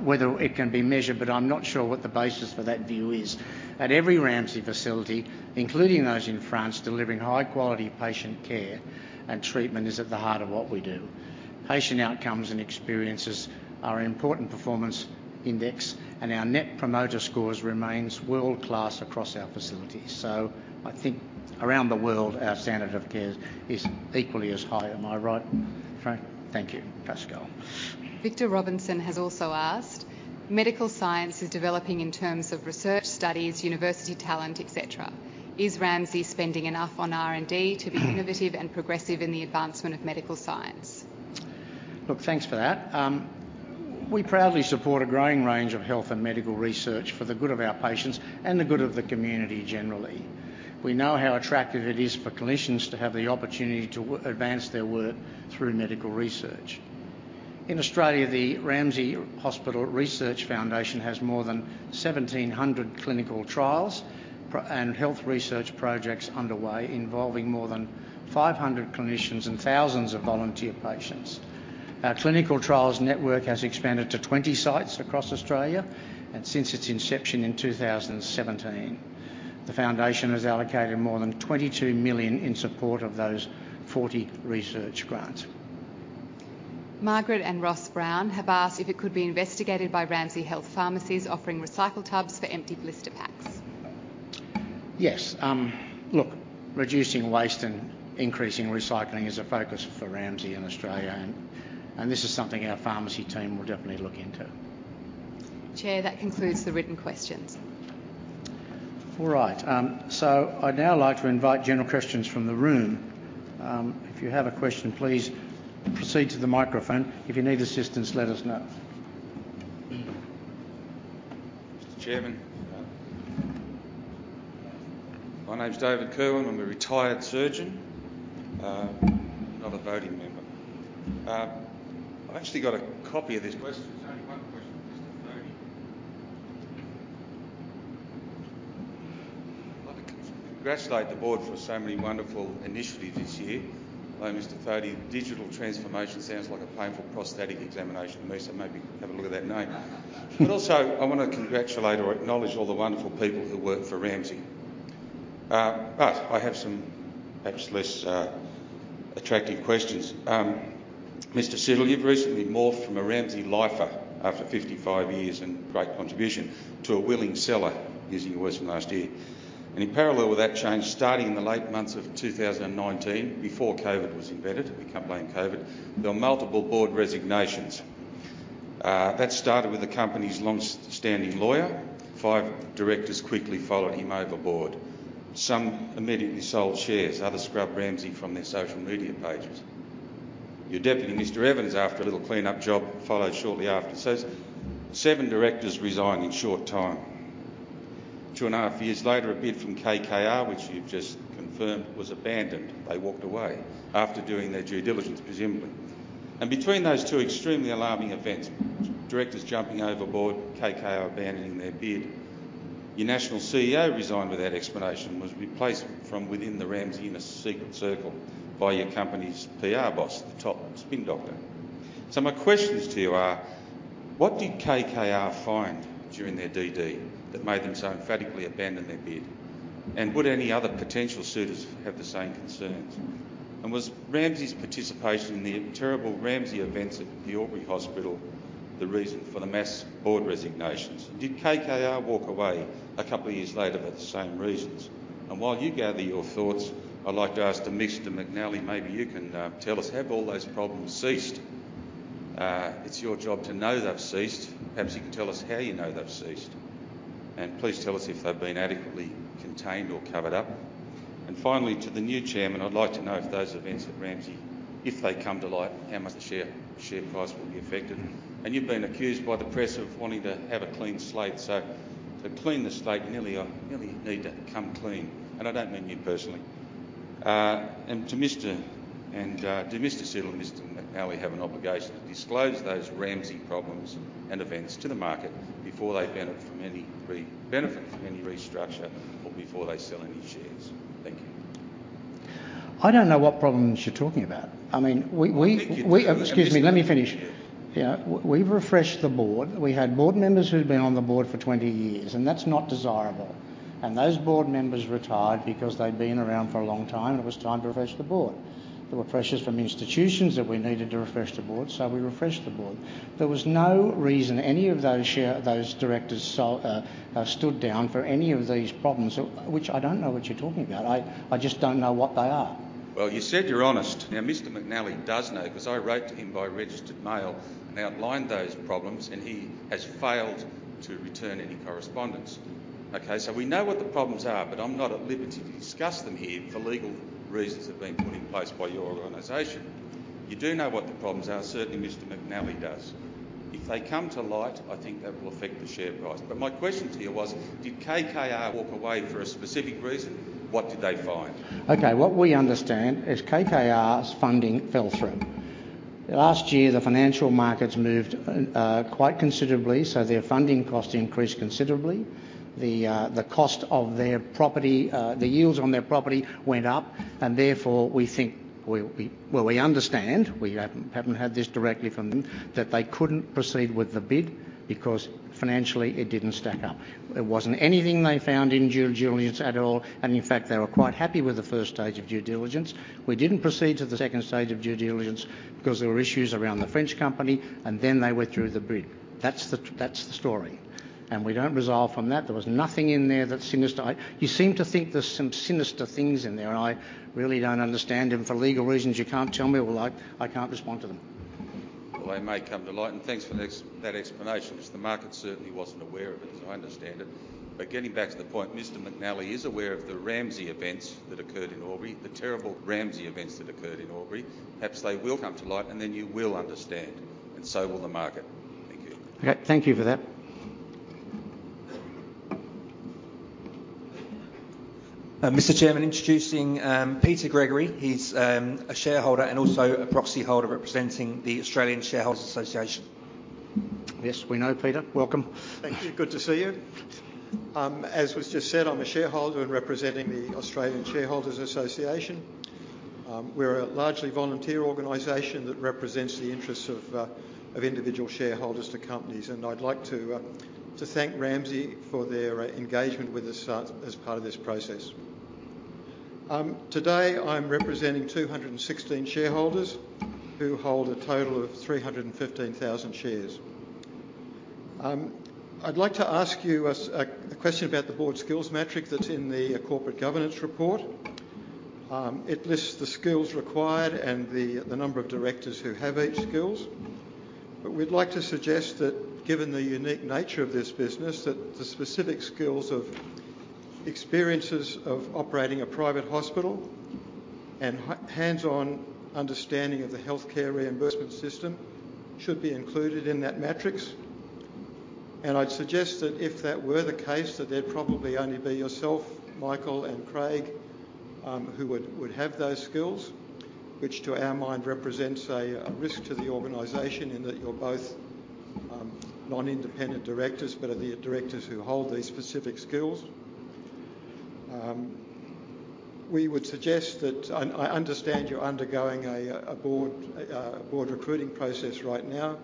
whether it can be measured, but I'm not sure what the basis for that view is. At every Ramsay facility, including those in France, delivering high-quality patient care and treatment is at the heart of what we do. Patient outcomes and experiences are an important performance index, and our Net Promoter Scores remains world-class across our facilities. So I think around the world, our standard of care is equally as high. Am I right, Frank? Thank you, Pascal. Victor Robinson has also asked: Medical science is developing in terms of research studies, university talent, et cetera. Is Ramsay spending enough on R&D to be innovative and progressive in the advancement of medical science? Look, thanks for that. We proudly support a growing range of health and medical research for the good of our patients and the good of the community generally. We know how attractive it is for clinicians to have the opportunity to advance their work through medical research. In Australia, the Ramsay Hospital Research Foundation has more than 1,700 clinical trials and health research projects underway, involving more than 500 clinicians and thousands of volunteer patients. Our clinical trials network has expanded to 20 sites across Australia, and since its inception in 2017, the foundation has allocated more than AUD 22 million in support of those 40 research grants. Margaret and Ross Brown have asked if it could be investigated by Ramsay Health Pharmacies offering recycle tubs for empty blister packs. Yes. Look, reducing waste and increasing recycling is a focus for Ramsay in Australia, and, and this is something our pharmacy team will definitely look into. Chair, that concludes the written questions. ... All right, so I'd now like to invite general questions from the room. If you have a question, please proceed to the microphone. If you need assistance, let us know. Mr. Chairman. My name's David Kirwan. I'm a retired surgeon, not a voting member. I've actually got a copy of this question. It's only one question, Mr. Thodey. I'd like to congratulate the board for so many wonderful initiatives this year. Hello, Mr. Thodey. Digital transformation sounds like a painful prostatic examination to me, so maybe have a look at that name. But also, I want to congratulate or acknowledge all the wonderful people who work for Ramsay. But I have some perhaps less attractive questions. Mr. Siddle, you've recently morphed from a Ramsay lifer after 55 years and great contribution, to a willing seller, using your words from last year. And in parallel with that change, starting in the late months of 2019, before COVID was invented, we can't blame COVID, there were multiple board resignations. That started with the company's long-standing lawyer. Five directors quickly followed him overboard. Some immediately sold shares, others scrubbed Ramsay from their social media pages. Your deputy, Mr. Evans, after a little clean-up job, followed shortly after. So seven directors resigned in a short time. Two and a half years later, a bid from KKR, which you've just confirmed, was abandoned. They walked away after doing their due diligence, presumably. And between those two extremely alarming events, directors jumping overboard, KKR abandoning their bid, your national CEO resigned without explanation, was replaced from within the Ramsay in a secret circle by your company's PR boss, the top spin doctor. So my questions to you are: What did KKR find during their DD that made them so emphatically abandon their bid? And would any other potential suitors have the same concerns? Was Ramsay's participation in the terrible Ramsay events at the Albury Hospital the reason for the mass board resignations? Did KKR walk away a couple of years later for the same reasons? While you gather your thoughts, I'd like to ask Mr. McNally, maybe you can tell us, have all those problems ceased? It's your job to know they've ceased. Perhaps you can tell us how you know they've ceased. Please tell us if they've been adequately contained or covered up. Finally, to the new chairman, I'd like to know if those events at Ramsay, if they come to light, how much the share, share price will be affected. You've been accused by the press of wanting to have a clean slate, so to clean the slate, nearly you nearly need to come clean, and I don't mean you personally. Do Mr. Siddle and Mr. McNally have an obligation to disclose those Ramsay problems and events to the market before they benefit from any restructure or before they sell any shares? Thank you. I don't know what problems you're talking about. I mean, we I think you do. Excuse me, let me finish. Yeah, we've refreshed the board. We had board members who'd been on the board for 20 years, and that's not desirable. And those board members retired because they'd been around for a long time, and it was time to refresh the board. There were pressures from institutions that we needed to refresh the board, so we refreshed the board. There was no reason any of those directors stood down for any of these problems, which I don't know what you're talking about. I just don't know what they are. Well, you said you're honest. Now, Mr. McNally does know, 'cause I wrote to him by registered mail and outlined those problems, and he has failed to return any correspondence. Okay, so we know what the problems are, but I'm not at liberty to discuss them here for legal reasons that have been put in place by your organization. You do know what the problems are. Certainly, Mr. McNally does. If they come to light, I think that will affect the share price. But my question to you was, did KKR walk away for a specific reason? What did they find? Okay, what we understand is KKR's funding fell through. Last year, the financial markets moved quite considerably, so their funding cost increased considerably. The cost of their property, the yields on their property went up, and therefore, we think... Well, we understand, we haven't had this directly from them, that they couldn't proceed with the bid because financially, it didn't stack up. It wasn't anything they found in due diligence at all, and in fact, they were quite happy with the first stage of due diligence. We didn't proceed to the second stage of due diligence because there were issues around the French company, and then they withdrew the bid. That's the story, and we don't resolve from that. There was nothing in there that's sinister. You seem to think there's some sinister things in there, and I really don't understand, and for legal reasons, you can't tell me. Well, I can't respond to them. Well, they may come to light, and thanks for that explanation, because the market certainly wasn't aware of it, as I understand it. But getting back to the point, Mr. McNally is aware of the Ramsay events that occurred in Albury, the terrible Ramsay events that occurred in Albury. Perhaps they will come to light, and then you will understand, and so will the market. Thank you. Okay. Thank you for that. Mr. Chairman, introducing Peter Gregory. He's a shareholder and also a proxyholder representing the Australian Shareholders Association. Yes, we know, Peter. Welcome. Thank you. Good to see you. As was just said, I'm a shareholder and representing the Australian Shareholders Association. We're a largely volunteer organization that represents the interests of of individual shareholders to companies, and I'd like to to thank Ramsay for their engagement with us, as part of this process. Today, I'm representing 216 shareholders who hold a total of 315,000 shares. I'd like to ask you a question about the board skills metric that's in the corporate governance report... It lists the skills required and the number of directors who have each skills. But we'd like to suggest that, given the unique nature of this business, that the specific skills and experiences of operating a private hospital and hands-on understanding of the healthcare reimbursement system should be included in that matrix. And I'd suggest that if that were the case, that there'd probably only be yourself, Michael, and Craig, who would have those skills, which to our mind represents a risk to the organization in that you're both non-independent directors, but are the directors who hold these specific skills. We would suggest that, and I understand you're undergoing a board recruiting process right now,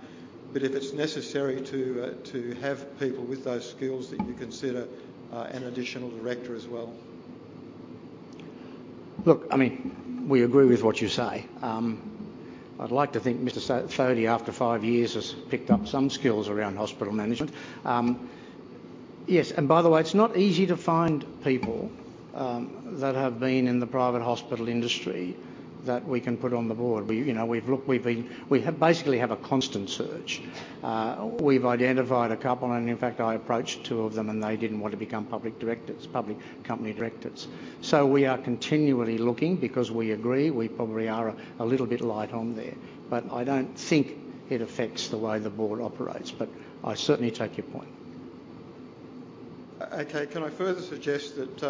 but if it's necessary to have people with those skills, that you consider an additional director as well. Look, I mean, we agree with what you say. I'd like to think Mr. Thodey, after five years, has picked up some skills around hospital management. Yes, and by the way, it's not easy to find people that have been in the private hospital industry that we can put on the board. We, you know, we've looked, we've been. We have basically a constant search. We've identified a couple, and in fact, I approached two of them, and they didn't want to become public directors, public company directors. So we are continually looking because we agree we probably are a little bit light on there, but I don't think it affects the way the board operates. But I certainly take your point. Okay, can I further suggest that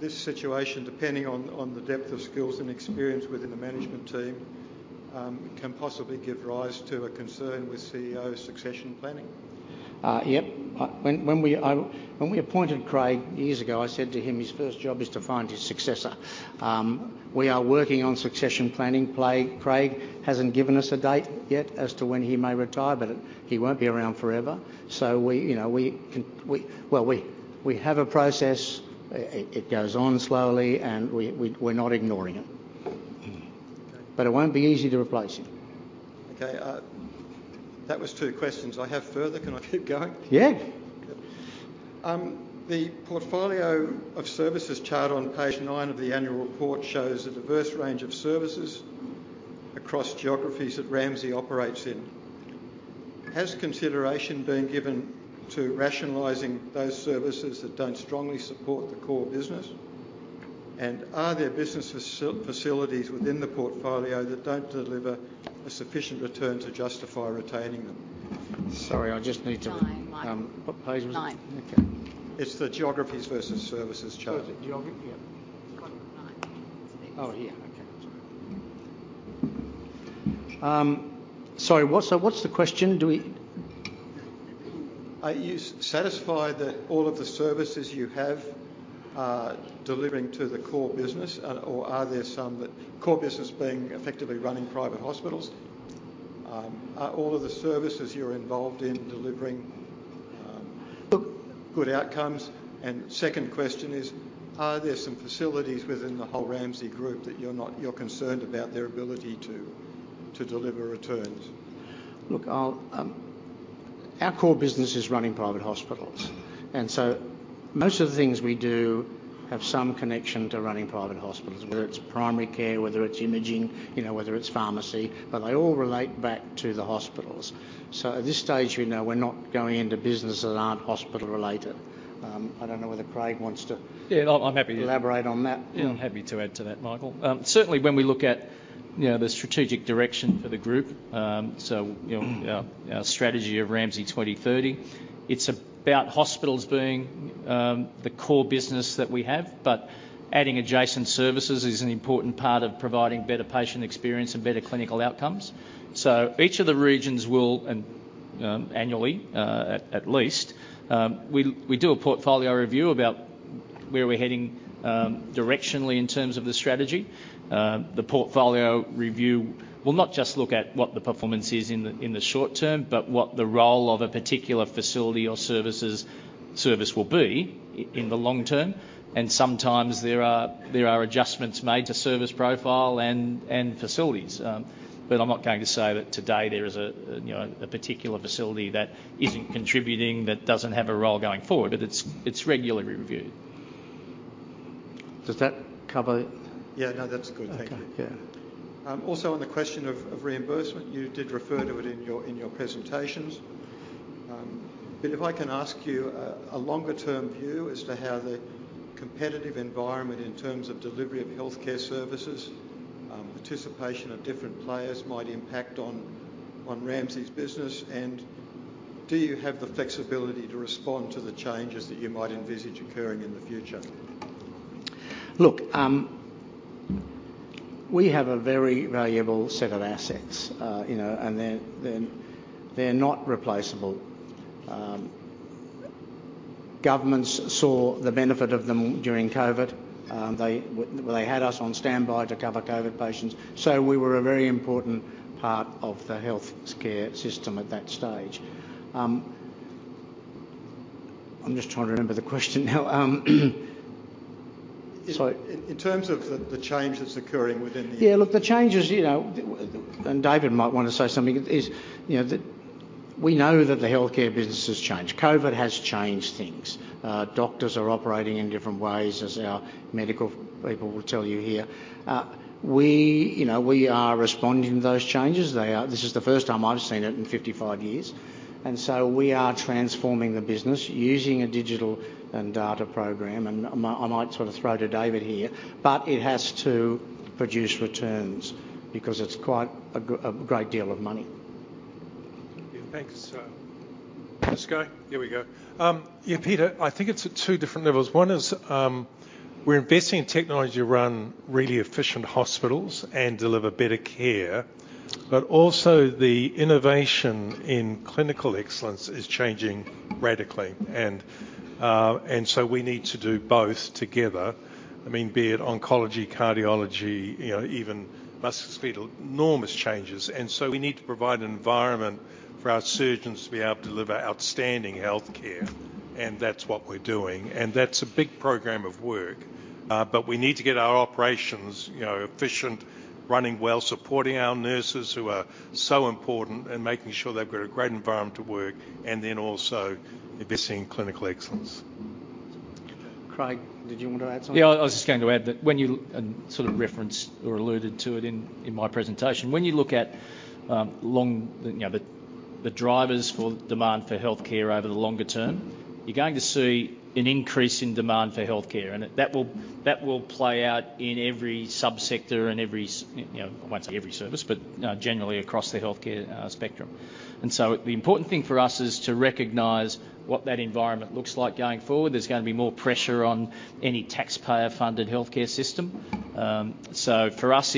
this situation, depending on the depth of skills and experience within the management team, can possibly give rise to a concern with CEO succession planning? Yep. When we appointed Craig years ago, I said to him, his first job is to find his successor. We are working on succession planning. Craig hasn't given us a date yet as to when he may retire, but he won't be around forever. So, you know, we have a process. It goes on slowly, and we're not ignoring it. Okay. But it won't be easy to replace him. Okay, that was two questions I have further. Can I keep going? Yeah. The portfolio of services chart on page nine of the annual report shows a diverse range of services across geographies that Ramsay operates in. Has consideration been given to rationalizing those services that don't strongly support the core business? And are there business facilities within the portfolio that don't deliver a sufficient return to justify retaining them? Sorry, I just need to- Nine, Michael. What page was it? Nine. Okay. It's the Geographies versus Services chart. Geografi- Yeah. Corner nine. Oh, yeah. Okay. Sorry, what's the question? Do we- Are you satisfied that all of the services you have are delivering to the core business? Or are there some that... Core business being effectively running private hospitals. Are all of the services you're involved in delivering good outcomes? And second question is, are there some facilities within the whole Ramsay group that you're concerned about their ability to deliver returns? Look, I'll. Our core business is running private hospitals, and so most of the things we do have some connection to running private hospitals, whether it's primary care, whether it's imaging, you know, whether it's pharmacy, but they all relate back to the hospitals. So at this stage, you know, we're not going into businesses that aren't hospital-related. I don't know whether Craig wants to- Yeah, I'm happy to- Elaborate on that. Yeah, I'm happy to add to that, Michael. Certainly when we look at, you know, the strategic direction for the group, so, you know, our, our strategy of Ramsay 2030, it's about hospitals being the core business that we have, but adding adjacent services is an important part of providing better patient experience and better clinical outcomes. So each of the regions will, and, annually, at least, we, we do a portfolio review about where we're heading, directionally in terms of the strategy. The portfolio review will not just look at what the performance is in the, in the short term, but what the role of a particular facility or services, service will be in the long term. And sometimes there are, there are adjustments made to service profile and, and facilities. But I'm not going to say that today there is a, you know, a particular facility that isn't contributing, that doesn't have a role going forward, but it's regularly reviewed. Does that cover? Yeah. No, that's good. Thank you. Okay. Yeah. Also on the question of reimbursement, you did refer to it in your presentations, but if I can ask you a longer-term view as to how the competitive environment in terms of delivery of healthcare services, participation of different players might impact on Ramsay's business, and do you have the flexibility to respond to the changes that you might envisage occurring in the future? Look, we have a very valuable set of assets, you know, and they're not replaceable. Governments saw the benefit of them during COVID. They had us on standby to cover COVID patients, so we were a very important part of the healthcare system at that stage. I'm just trying to remember the question now. Sorry. In terms of the change that's occurring within the- Yeah, look, the changes, you know, and David might want to say something, is, you know, We know that the healthcare business has changed. COVID has changed things. Doctors are operating in different ways, as our medical people will tell you here. We, you know, we are responding to those changes. This is the first time I've seen it in 55 years, and so we are transforming the business using a digital and data program. And I might sort of throw to David here, but it has to produce returns because it's quite a great deal of money. Yeah, thanks, Scott. Here we go. Yeah, Peter, I think it's at two different levels. One is, we're investing in technology to run really efficient hospitals and deliver better care, but also the innovation in clinical excellence is changing radically. And, and so we need to do both together. I mean, be it oncology, cardiology, you know, even must see enormous changes. And so we need to provide an environment for our surgeons to be able to deliver outstanding healthcare, and that's what we're doing. And that's a big program of work, but we need to get our operations, you know, efficient, running well, supporting our nurses who are so important, and making sure they've got a great environment to work, and then also investing in clinical excellence. Craig, did you want to add something? Yeah, I was just going to add that when you, and sort of referenced or alluded to it in my presentation, when you look at you know, the drivers for demand for healthcare over the longer term, you're going to see an increase in demand for healthcare, and that will play out in every subsector and every you know, I won't say every service, but generally across the healthcare spectrum. And so the important thing for us is to recognize what that environment looks like going forward. There's going to be more pressure on any taxpayer-funded healthcare system. So for us,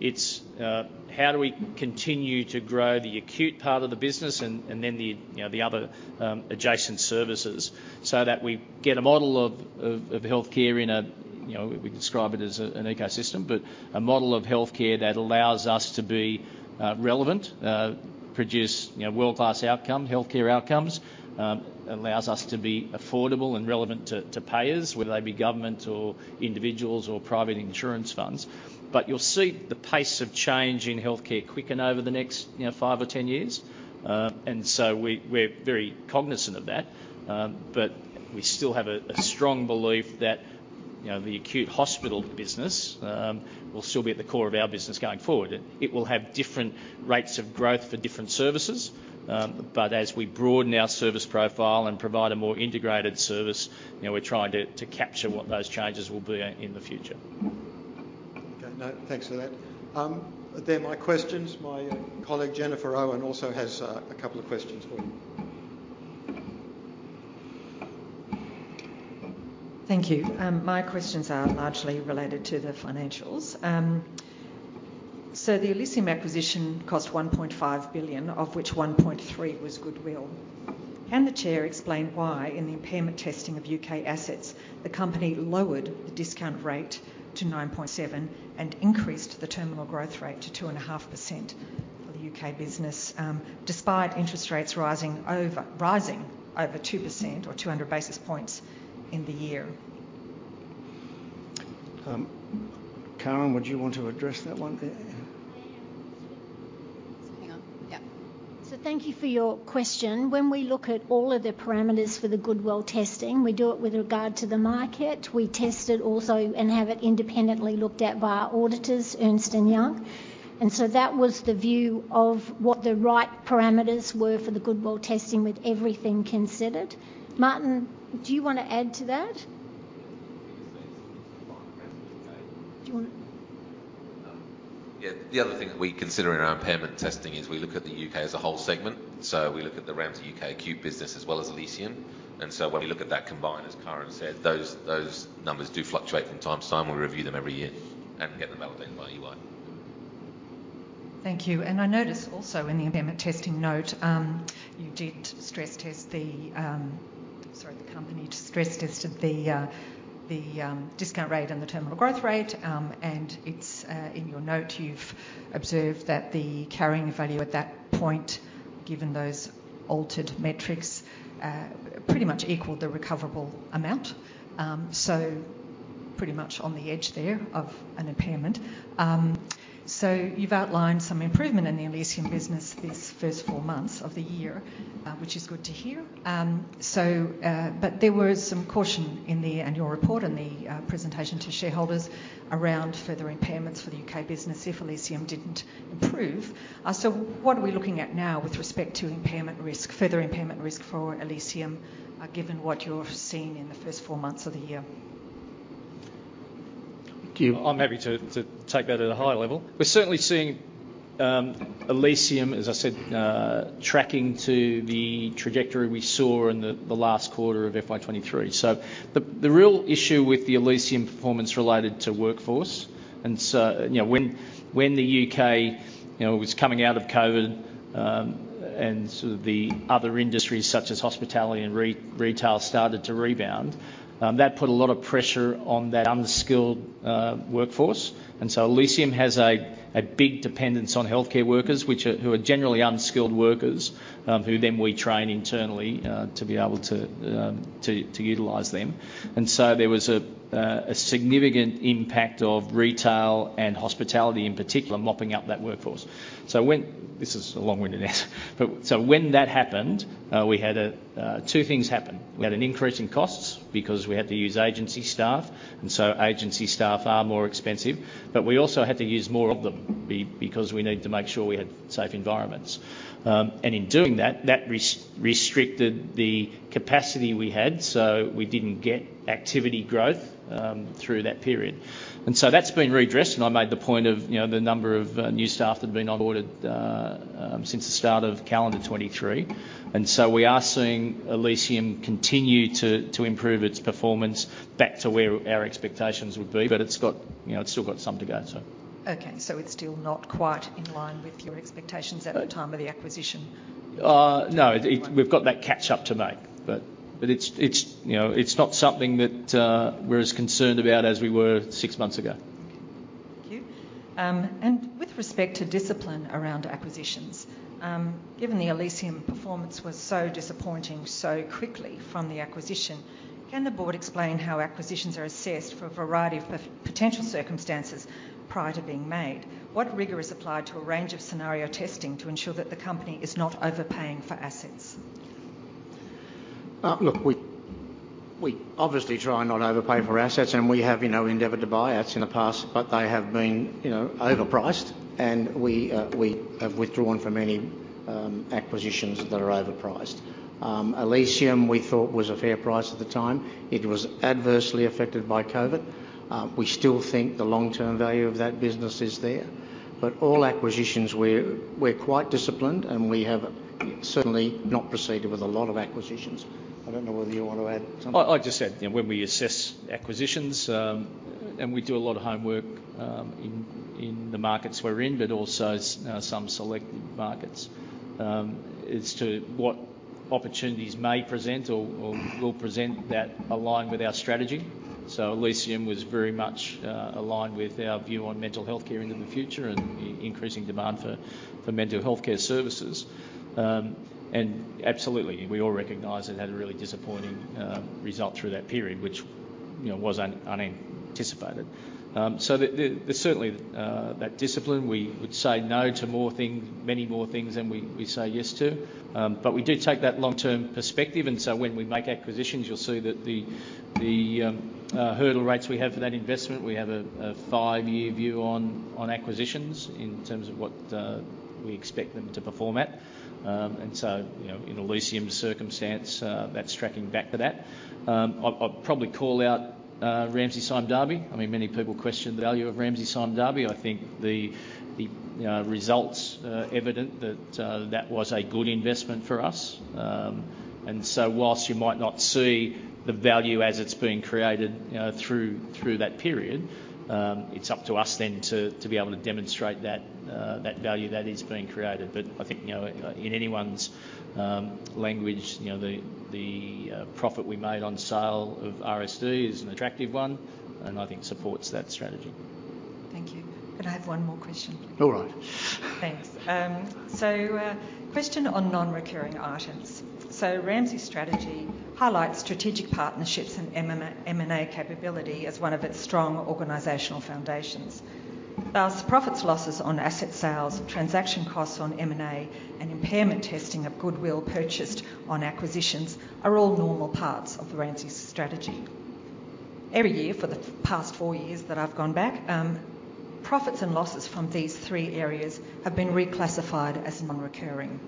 it's how do we continue to grow the acute part of the business and then the other, you know, adjacent services so that we get a model of healthcare in a, you know, we describe it as an ecosystem, but a model of healthcare that allows us to be relevant, produce, you know, world-class outcome, healthcare outcomes, allows us to be affordable and relevant to payers, whether they be government or individuals or private insurance funds. But you'll see the pace of change in healthcare quicken over the next, you know, 5 or 10 years. And so we, we're very cognizant of that, but we still have a strong belief that, you know, the acute hospital business will still be at the core of our business going forward. It will have different rates of growth for different services, but as we broaden our service profile and provide a more integrated service, you know, we're trying to capture what those changes will be in the future. Okay. No, thanks for that. They're my questions. My colleague, Jennifer Owen, also has a couple of questions for you. Thank you. My questions are largely related to the financials. So the Elysium acquisition cost 1.5 billion, of which 1.3 billion was goodwill. Can the Chair explain why, in the impairment testing of U.K. assets, the company lowered the discount rate to 9.7% and increased the terminal growth rate to 2.5% for the U.K. business, despite interest rates rising over 2% or 200 basis points in the year? Karen, would you want to address that one there? Hang on. Yep. So thank you for your question. When we look at all of the parameters for the Goodwill testing, we do it with regard to the market. We test it also and have it independently looked at by our auditors, Ernst & Young. And so that was the view of what the right parameters were for the Goodwill testing with everything considered. Martin, do you want to add to that? Do you want... Yeah. Yeah, the other thing that we consider in our impairment testing is we look at the U.K. as a whole segment. So we look at the Ramsay UK acute business as well as Elysium. And so when we look at that combined, as Karen said, those numbers do fluctuate from time to time. We review them every year and get them validated by EY. Thank you. And I noticed also in the impairment testing note, Sorry, the company stress tested the discount rate and the terminal growth rate. And it's in your note, you've observed that the carrying value at that point, given those altered metrics, pretty much equaled the recoverable amount. So pretty much on the edge there of an impairment. So you've outlined some improvement in the Elysium business these first four months of the year, which is good to hear. So, but there was some caution in the annual report and the presentation to shareholders around further impairments for the U.K. business if Elysium didn't improve. What are we looking at now with respect to impairment risk, further impairment risk for Elysium, given what you've seen in the first four months of the year? Thank you. I'm happy to take that at a high level. We're certainly seeing Elysium, as I said, tracking to the trajectory we saw in the last quarter of FY 2023. So the real issue with the Elysium performance related to workforce, and so, you know, when the U.K., you know, was coming out of COVID, and sort of the other industries such as hospitality and retail started to rebound, that put a lot of pressure on that unskilled workforce. And so Elysium has a big dependence on healthcare workers, which are, who are generally unskilled workers, who then we train internally to be able to utilize them. And so there was a significant impact of retail and hospitality in particular, mopping up that workforce. So when... This is a long-winded answer, but so when that happened, we had two things happen. We had an increase in costs because we had to use agency staff and so agency staff are more expensive, but we also had to use more of them because we needed to make sure we had safe environments. And in doing that, that restricted the capacity we had, so we didn't get activity growth through that period. And so that's been redressed, and I made the point of, you know, the number of new staff that have been on board since the start of calendar 2023. And so we are seeing Elysium continue to improve its performance back to where our expectations would be, but it's got, you know, it's still got some to go, so. Okay, so it's still not quite in line with your expectations at the time of the acquisition? No, we've got that catch-up to make, but it's, you know, it's not something that we're as concerned about as we were six months ago. Thank you. And with respect to discipline around acquisitions, given the Elysium performance was so disappointing so quickly from the acquisition, can the board explain how acquisitions are assessed for a variety of potential circumstances prior to being made? What rigor is applied to a range of scenario testing to ensure that the company is not overpaying for assets? Look, we, we obviously try and not overpay for our assets, and we have, you know, endeavored to buy assets in the past, but they have been, you know, overpriced, and we, we have withdrawn from any, acquisitions that are overpriced. Elysium, we thought was a fair price at the time. It was adversely affected by COVID. We still think the long-term value of that business is there. But all acquisitions, we're, we're quite disciplined, and we have certainly not proceeded with a lot of acquisitions. I don't know whether you want to add something. I just said, you know, when we assess acquisitions, and we do a lot of homework, in the markets we're in, but also some selective markets, as to what opportunities may present or will present that align with our strategy. So Elysium was very much aligned with our view on mental health care into the future and the increasing demand for mental health care services. And absolutely, we all recognize it had a really disappointing result through that period, which, you know, was unanticipated. So the, there's certainly that discipline. We would say no to more things, many more things than we say yes to. But we do take that long-term perspective, and so when we make acquisitions, you'll see that the hurdle rates we have for that investment, we have a five-year view on acquisitions in terms of what we expect them to perform at. And so, you know, in Elysium's circumstance, that's tracking back to that. I'll probably call out Ramsay Sime Darby. I mean, many people question the value of Ramsay Sime Darby. I think the results evident that that was a good investment for us. And so whilst you might not see the value as it's being created through that period, it's up to us then to be able to demonstrate that that value that is being created. I think, you know, in anyone's language, you know, the profit we made on sale of RSD is an attractive one, and I think supports that strategy. Thank you. Could I have one more question, please? All right. Thanks. So, question on non-recurring items. So Ramsay's strategy highlights strategic partnerships and M&A, M&A capability as one of its strong organizational foundations. Thus, profits, losses on asset sales, transaction costs on M&A, and impairment testing of goodwill purchased on acquisitions are all normal parts of the Ramsay strategy. Every year for the past four years that I've gone back, profits and losses from these three areas have been reclassified as non-recurring.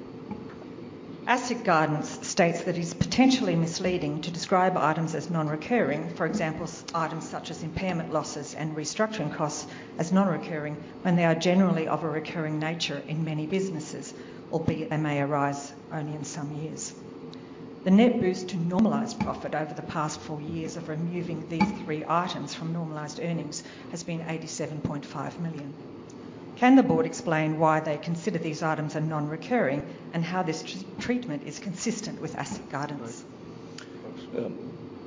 ASIC guidance states that it's potentially misleading to describe items as non-recurring, for example, such items such as impairment losses and restructuring costs as non-recurring, when they are generally of a recurring nature in many businesses, albeit they may arise only in some years. The net boost to normalized profit over the past four years of removing these three items from normalized earnings has been 87.5 million. Can the board explain why they consider these items are non-recurring and how this treatment is consistent with ASIC guidance?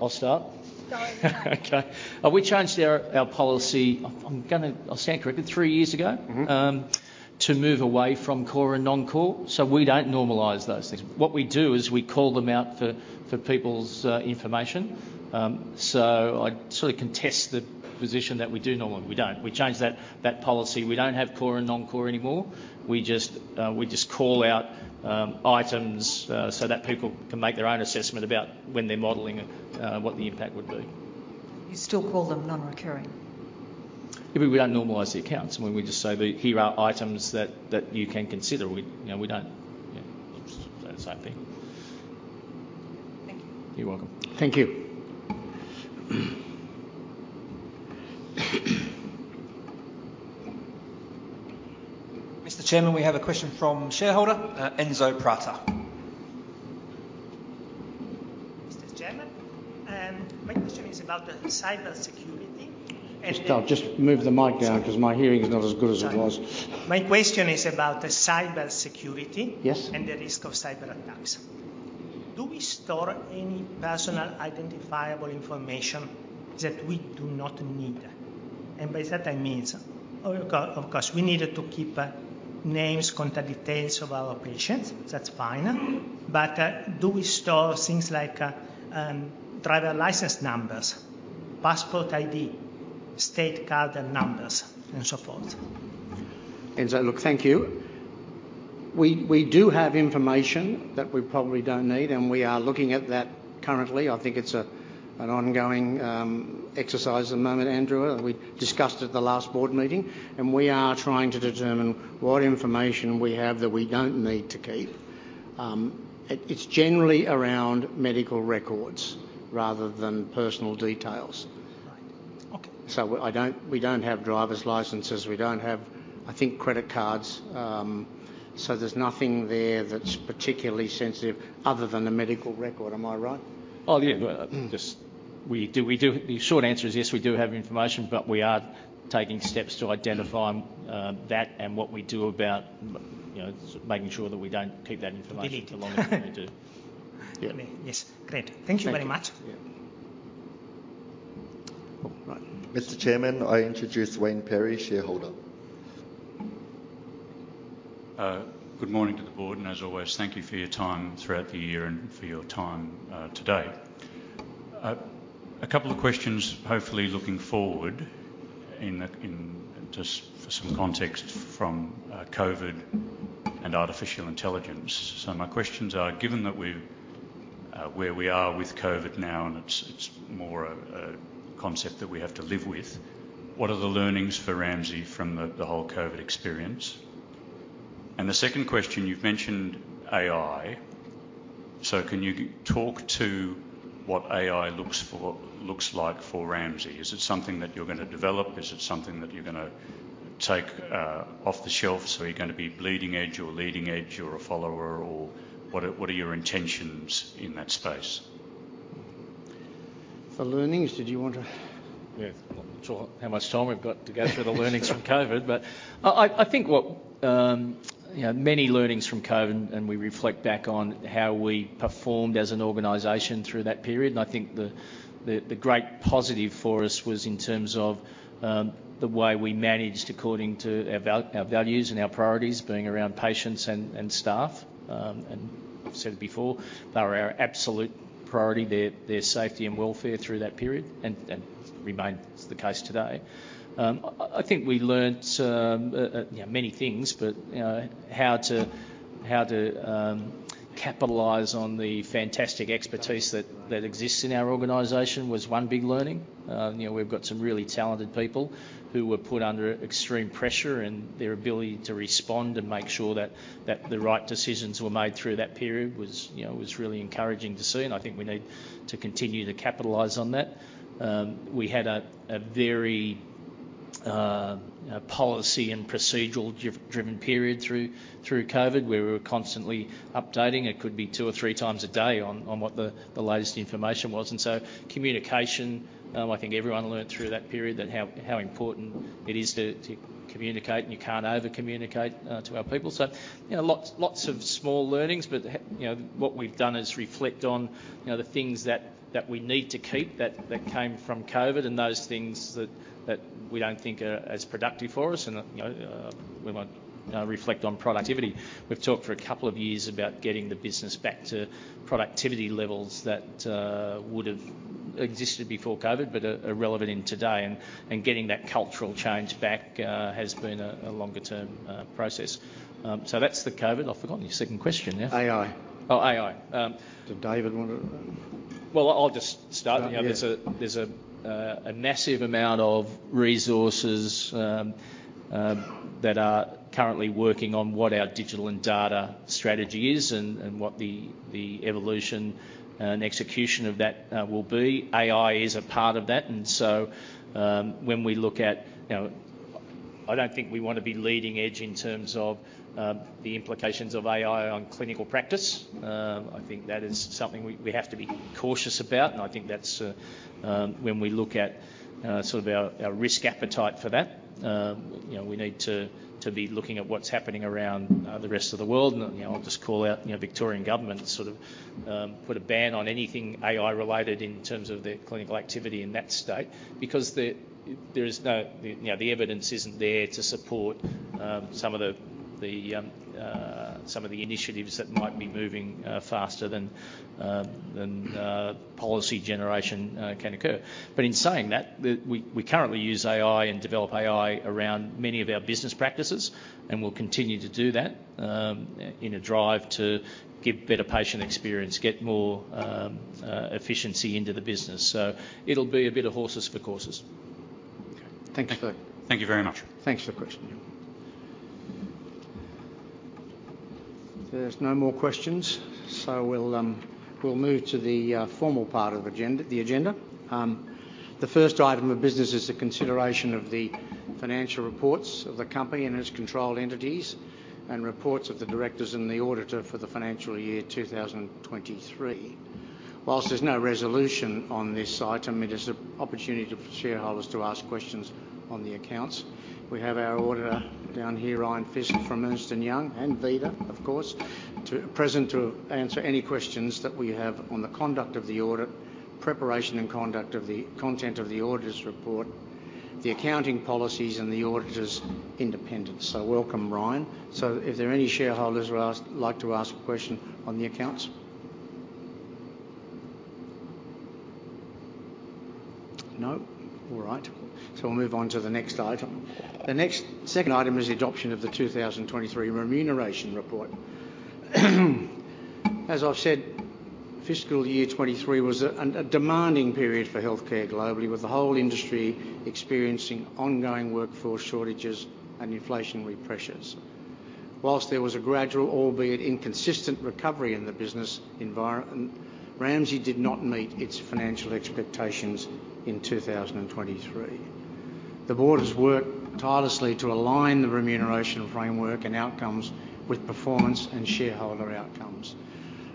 I'll start. Go ahead. Okay. We changed our policy, I'm gonna... I'll stand corrected, three years ago- Mm-hmm... to move away from core and non-core, so we don't normalize those things. What we do is we call them out for people's information. So I sort of contest the position that we do normalize. We don't. We changed that policy. We don't have core and non-core anymore. We just call out items so that people can make their own assessment about when they're modeling what the impact would be. You still call them non-recurring? Yeah, but we don't normalize the accounts. When we just say that, "Here are items that you can consider." We, you know, we don't, yeah, say the same thing. Thank you. You're welcome. Thank you. Mr. Chairman, we have a question from shareholder, Enzo Prata. Mr. Chairman, my question is about the cybersecurity, and- Just, just move the mic down because my hearing is not as good as it was. Sorry. My question is about the cybersecurity- Yes... and the risk of cyber attacks. Do we store any personal identifiable information that we do not need? And by that I mean, of course, of course, we needed to keep names, contact details of our patients. That's fine. But do we store things like driver's license numbers, passport ID, state card numbers, and so forth? Enzo, look, thank you. We do have information that we probably don't need, and we are looking at that currently. I think it's an ongoing exercise at the moment, Andrew, that we discussed at the last board meeting, and we are trying to determine what information we have that we don't need to keep. It's generally around medical records rather than personal details. Right. Okay. I don't, we don't have driver's licenses. We don't have, I think, credit cards. So there's nothing there that's particularly sensitive other than the medical record. Am I right? Oh, yeah. Well, just we do, we do. The short answer is yes, we do have information, but we are taking steps to identify that and what we do about, you know, making sure that we don't keep that information- Delete As long as we do. Yeah. Yes. Great. Thank you. Thank you very much. Yeah. All right. Mr. Chairman, I introduce Wayne Perry, shareholder. Good morning to the board, and as always, thank you for your time throughout the year and for your time today. A couple of questions, hopefully looking forward in that, in just for some context from COVID and artificial intelligence. So my questions are: given that we're where we are with COVID now, and it's more a concept that we have to live with, what are the learnings for Ramsay from the whole COVID experience? And the second question, you've mentioned AI, so can you talk to what AI looks like for Ramsay? Is it something that you're going to develop? Is it something that you're going to take off the shelf? So are you going to be bleeding edge or leading edge or a follower or what are your intentions in that space? For learnings, did you want to- Yeah. Not sure how much time we've got to go through the learnings from COVID. But I think, you know, many learnings from COVID, and we reflect back on how we performed as an organization through that period, and I think the great positive for us was in terms of the way we managed according to our values and our priorities being around patients and staff. And I've said it before, they were our absolute priority, their safety and welfare through that period, and remains the case today. I think we learned, you know, many things, but, you know, how to capitalize on the fantastic expertise that exists in our organization was one big learning. You know, we've got some really talented people who were put under extreme pressure, and their ability to respond and make sure that the right decisions were made through that period was, you know, really encouraging to see, and I think we need to continue to capitalize on that. We had a very policy and procedural driven period through COVID, where we were constantly updating. It could be two or three times a day on what the latest information was. And so communication, I think everyone learned through that period that how important it is to communicate, and you can't over-communicate to our people. So, you know, lots, lots of small learnings, but, you know, what we've done is reflect on, you know, the things that we need to keep that came from COVID and those things that we don't think are as productive for us. And, you know, we want reflect on productivity. We've talked for a couple of years about getting the business back to productivity levels that would have existed before COVID but are relevant in today, and getting that cultural change back has been a longer-term process. So that's the COVID. I've forgotten your second question now. AI. Oh, AI. Did David want to...? Well, I'll just start. Yeah. You know, there's a massive amount of resources that are currently working on what our digital and data strategy is and what the evolution and execution of that will be. AI is a part of that, and so, when we look at... You know, I don't think we want to be leading edge in terms of the implications of AI on clinical practice. I think that is something we have to be cautious about, and I think that's when we look at sort of our risk appetite for that, you know, we need to be looking at what's happening around the rest of the world. You know, I'll just call out, you know, Victorian government sort of put a ban on anything AI-related in terms of their clinical activity in that state because there is no, you know, the evidence isn't there to support some of the initiatives that might be moving faster than policy generation can occur. But in saying that, we currently use AI and develop AI around many of our business practices, and we'll continue to do that in a drive to give better patient experience, get more efficiency into the business. So it'll be a bit of horses for courses. Okay. Thank you. Thank you very much. Thanks for the question. There's no more questions, so we'll move to the formal part of the agenda. The first item of business is the consideration of the financial reports of the company and its controlled entities and reports of the directors and the auditor for the financial year 2023. While there's no resolution on this item, it is an opportunity for shareholders to ask questions on the accounts. We have our auditor down here, Ryan Fisk, from Ernst & Young, and Vida, of course, to present to answer any questions that we have on the conduct of the audit, preparation and conduct of the content of the auditor's report, the accounting policies, and the auditor's independence. So welcome, Ryan. So if there are any shareholders who ask, would like to ask a question on the accounts?... No? All right, so we'll move on to the next item. The next, second item is the adoption of the 2023 Remuneration Report. As I've said, fiscal year 2023 was a demanding period for healthcare globally, with the whole industry experiencing ongoing workforce shortages and inflationary pressures. While there was a gradual, albeit inconsistent, recovery in the business environment, Ramsay did not meet its financial expectations in 2023. The board has worked tirelessly to align the remuneration framework and outcomes with performance and shareholder outcomes.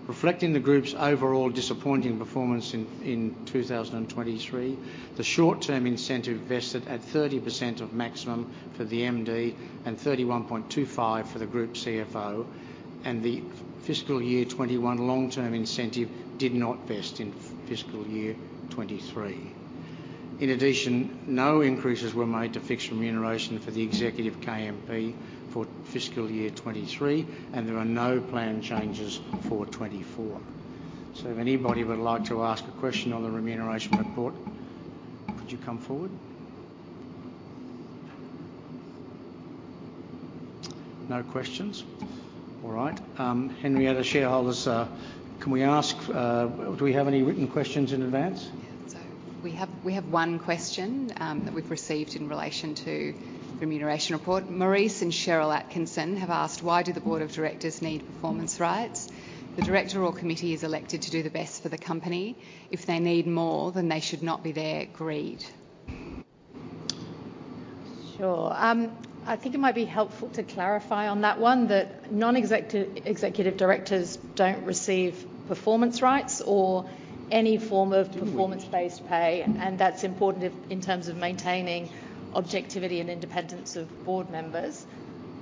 Reflecting the group's overall disappointing performance in 2023, the short-term incentive vested at 30% of maximum for the MD and 31.25% for the group CFO, and the fiscal year 2021 long-term incentive did not vest in fiscal year 2023. In addition, no increases were made to fixed remuneration for the executive KMP for fiscal year 2023, and there are no planned changes for 2024. So if anybody would like to ask a question on the Remuneration Report, could you come forward? No questions. All right. Henrietta, shareholders, can we ask, do we have any written questions in advance? Yeah. So we have, we have one question that we've received in relation to Remuneration Report. Maurice and Cheryl Atkinson have asked: "Why do the board of directors need performance rights? The director or committee is elected to do the best for the company. If they need more, then they should not be there. Greed. Sure. I think it might be helpful to clarify on that one, that non-executive directors don't receive performance rights or any form of- Mm-hmm... performance-based pay, and that's important in terms of maintaining objectivity and independence of board members.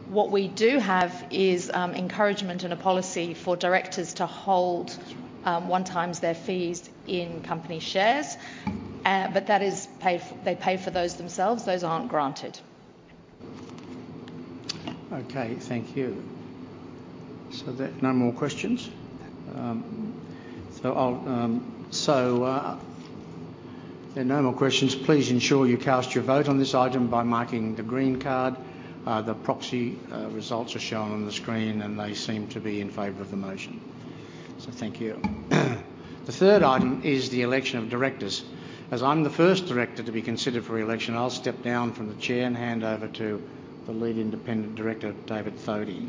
What we do have is encouragement and a policy for directors to hold one times their fees in company shares, but that is, they pay for those themselves. Those aren't granted. Okay, thank you. So there no more questions? If there are no more questions, please ensure you cast your vote on this item by marking the green card. The proxy results are shown on the screen, and they seem to be in favor of the motion, so thank you. The third item is the election of directors. As I'm the first director to be considered for re-election, I'll step down from the chair and hand over to the Lead Independent Director, David Thodey.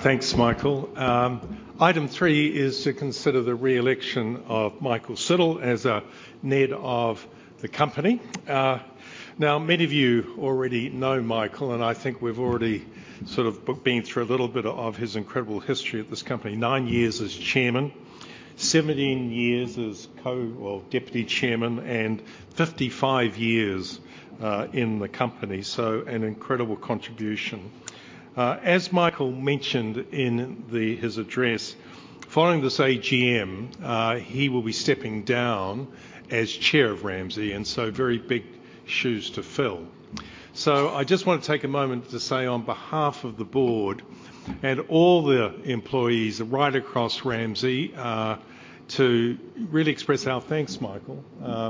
Thanks, Michael. Item three is to consider the re-election of Michael Siddle as a NED of the company. Now, many of you already know Michael, and I think we've already been through a little bit of his incredible history at this company: 9 years as chairman, 17 years as well, deputy chairman, and 55 years in the company, so an incredible contribution. As Michael mentioned in his address, following this AGM, he will be stepping down as chair of Ramsay, and so very big shoes to fill. So I just want to take a moment to say, on behalf of the board and all the employees right across Ramsay, to really express our thanks, Michael,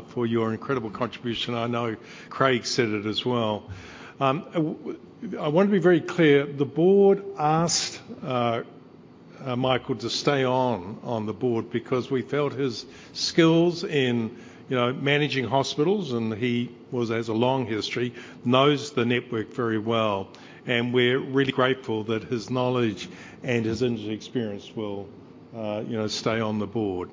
for your incredible contribution. I know Craig said it as well. I want to be very clear, the board asked Michael to stay on the board because we felt his skills in, you know, managing hospitals, and he has a long history, knows the network very well, and we're really grateful that his knowledge and his industry experience will, you know, stay on the board.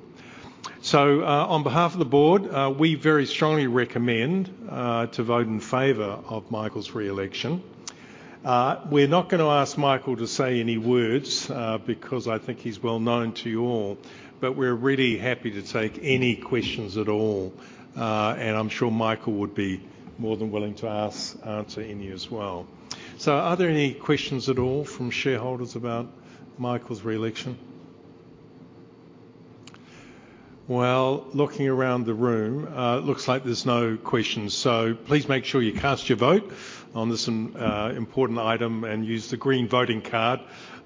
So, on behalf of the board, we very strongly recommend to vote in favor of Michael's re-election. We're not gonna ask Michael to say any words because I think he's well known to you all, but we're really happy to take any questions at all, and I'm sure Michael would be more than willing to answer any as well. So are there any questions at all from shareholders about Michael's re-election? Well, looking around the room, looks like there's no questions, so please make sure you cast your vote on this important item and use the green voting card.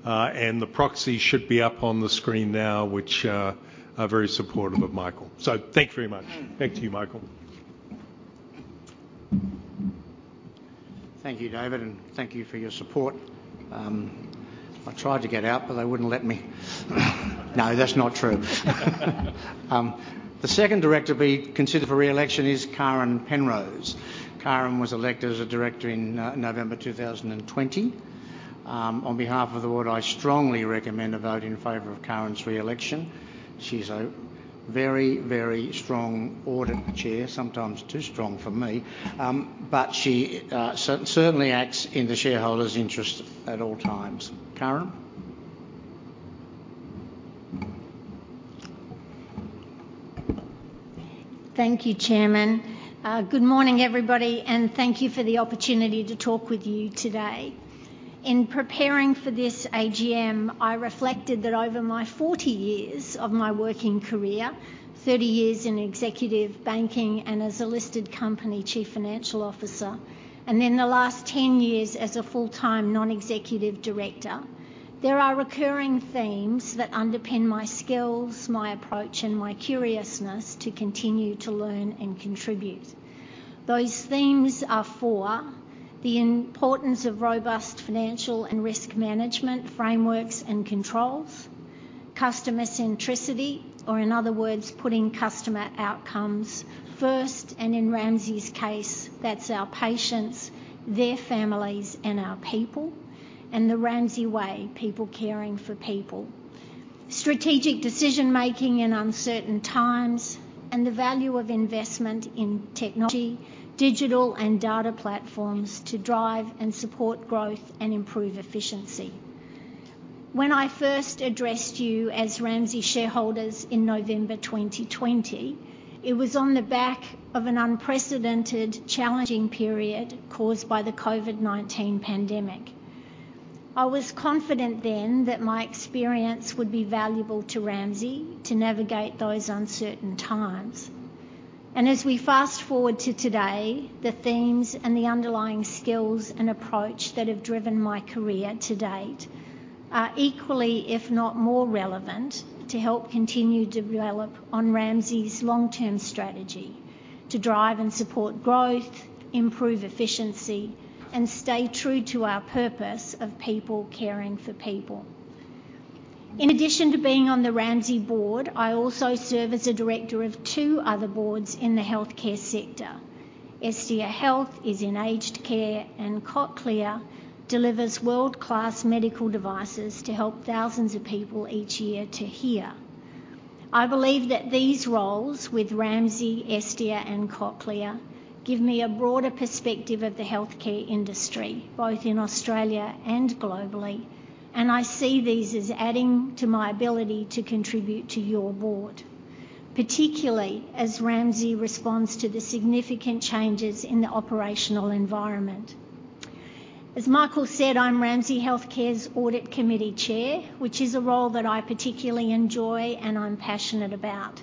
And the proxy should be up on the screen now, which are very supportive of Michael. So thank you very much. Mm. Back to you, Michael. Thank you, David, and thank you for your support. I tried to get out, but they wouldn't let me. No, that's not true. The second director to be considered for re-election is Karen Penrose. Karen was elected as a director in November 2020. On behalf of the board, I strongly recommend a vote in favor of Karen's re-election. She's a very, very strong audit chair, sometimes too strong for me. But she certainly acts in the shareholders' interests at all times. Karen? Thank you, Chairman. Good morning, everybody, and thank you for the opportunity to talk with you today.... In preparing for this AGM, I reflected that over my 40 years of my working career, 30 years in executive banking and as a listed company chief financial officer, and then the last 10 years as a full-time non-executive director, there are recurring themes that underpin my skills, my approach, and my curiousness to continue to learn and contribute. Those themes are four: the importance of robust financial and risk management frameworks and controls; customer centricity, or in other words, putting customer outcomes first, and in Ramsay's case, that's our patients, their families, and our people, and the Ramsay Way, people caring for people; strategic decision-making in uncertain times; and the value of investment in technology, digital and data platforms to drive and support growth and improve efficiency. When I first addressed you as Ramsay shareholders in November 2020, it was on the back of an unprecedented, challenging period caused by the COVID-19 pandemic. I was confident then that my experience would be valuable to Ramsay to navigate those uncertain times. As we fast forward to today, the themes and the underlying skills and approach that have driven my career to date are equally, if not more relevant, to help continue to develop on Ramsay's long-term strategy to drive and support growth, improve efficiency, and stay true to our purpose of people caring for people. In addition to being on the Ramsay board, I also serve as a director of two other boards in the healthcare sector. Estia Health is in aged care, and Cochlear delivers world-class medical devices to help thousands of people each year to hear. I believe that these roles with Ramsay, Estia, and Cochlear give me a broader perspective of the healthcare industry, both in Australia and globally, and I see these as adding to my ability to contribute to your board, particularly as Ramsay responds to the significant changes in the operational environment. As Michael said, I'm Ramsay Health Care's Audit Committee Chair, which is a role that I particularly enjoy and I'm passionate about.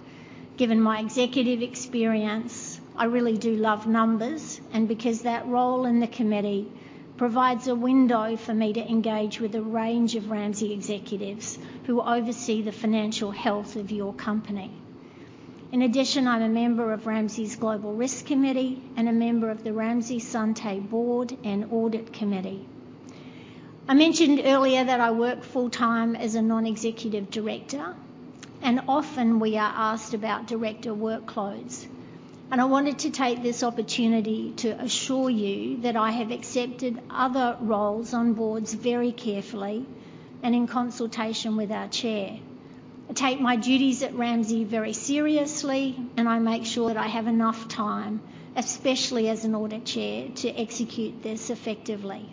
Given my executive experience, I really do love numbers, and because that role in the committee provides a window for me to engage with a range of Ramsay executives who oversee the financial health of your company. In addition, I'm a member of Ramsay's Global Risk Committee and a member of the Ramsay Santé Board and Audit Committee. I mentioned earlier that I work full-time as a non-executive director, and often we are asked about director workloads, and I wanted to take this opportunity to assure you that I have accepted other roles on boards very carefully and in consultation with our chair. I take my duties at Ramsay very seriously, and I make sure that I have enough time, especially as an audit chair, to execute this effectively.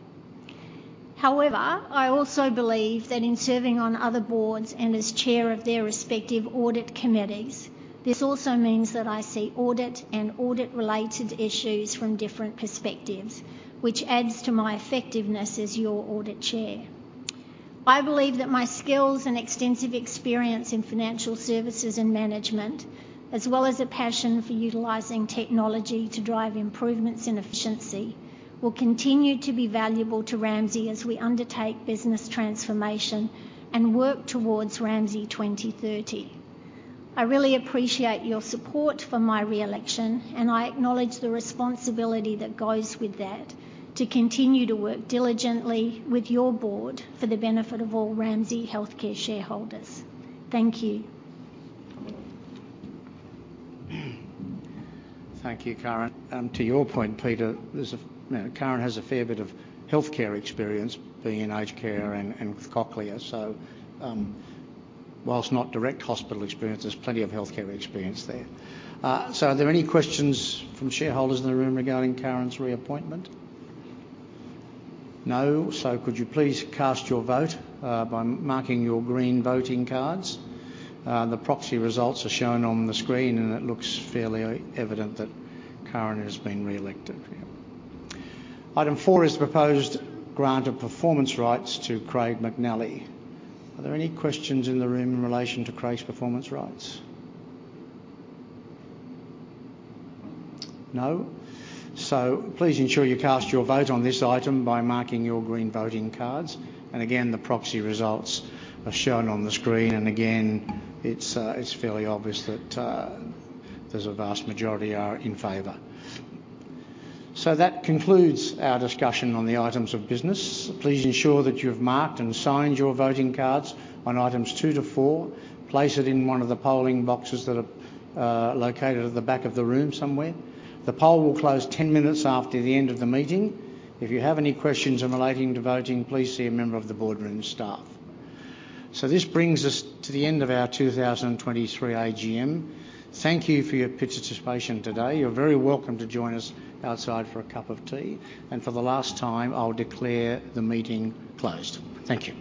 However, I also believe that in serving on other boards and as chair of their respective audit committees, this also means that I see audit and audit-related issues from different perspectives, which adds to my effectiveness as your audit chair. I believe that my skills and extensive experience in financial services and management, as well as a passion for utilizing technology to drive improvements in efficiency, will continue to be valuable to Ramsay as we undertake business transformation and work towards Ramsay 2030. I really appreciate your support for my re-election, and I acknowledge the responsibility that goes with that to continue to work diligently with your board for the benefit of all Ramsay Health Care shareholders. Thank you. Thank you, Karen. To your point, Peter, Karen has a fair bit of healthcare experience, being in aged care and with Cochlear. So, while not direct hospital experience, there's plenty of healthcare experience there. So are there any questions from shareholders in the room regarding Karen's reappointment? No. So could you please cast your vote by marking your green voting cards? The proxy results are shown on the screen, and it looks fairly evident that Karen has been reelected. Item four is the proposed grant of performance rights to Craig McNally. Are there any questions in the room in relation to Craig's performance rights? No. So please ensure you cast your vote on this item by marking your green voting cards. And again, the proxy results are shown on the screen. And again, it's fairly obvious that there's a vast majority are in favor. So that concludes our discussion on the items of business. Please ensure that you've marked and signed your voting cards on items 2-4. Place it in one of the polling boxes that are located at the back of the room somewhere. The poll will close 10 minutes after the end of the meeting. If you have any questions in relation to voting, please see a member of the boardroom staff. So this brings us to the end of our 2023 AGM. Thank you for your participation today. You're very welcome to join us outside for a cup of tea, and for the last time, I'll declare the meeting closed. Thank you.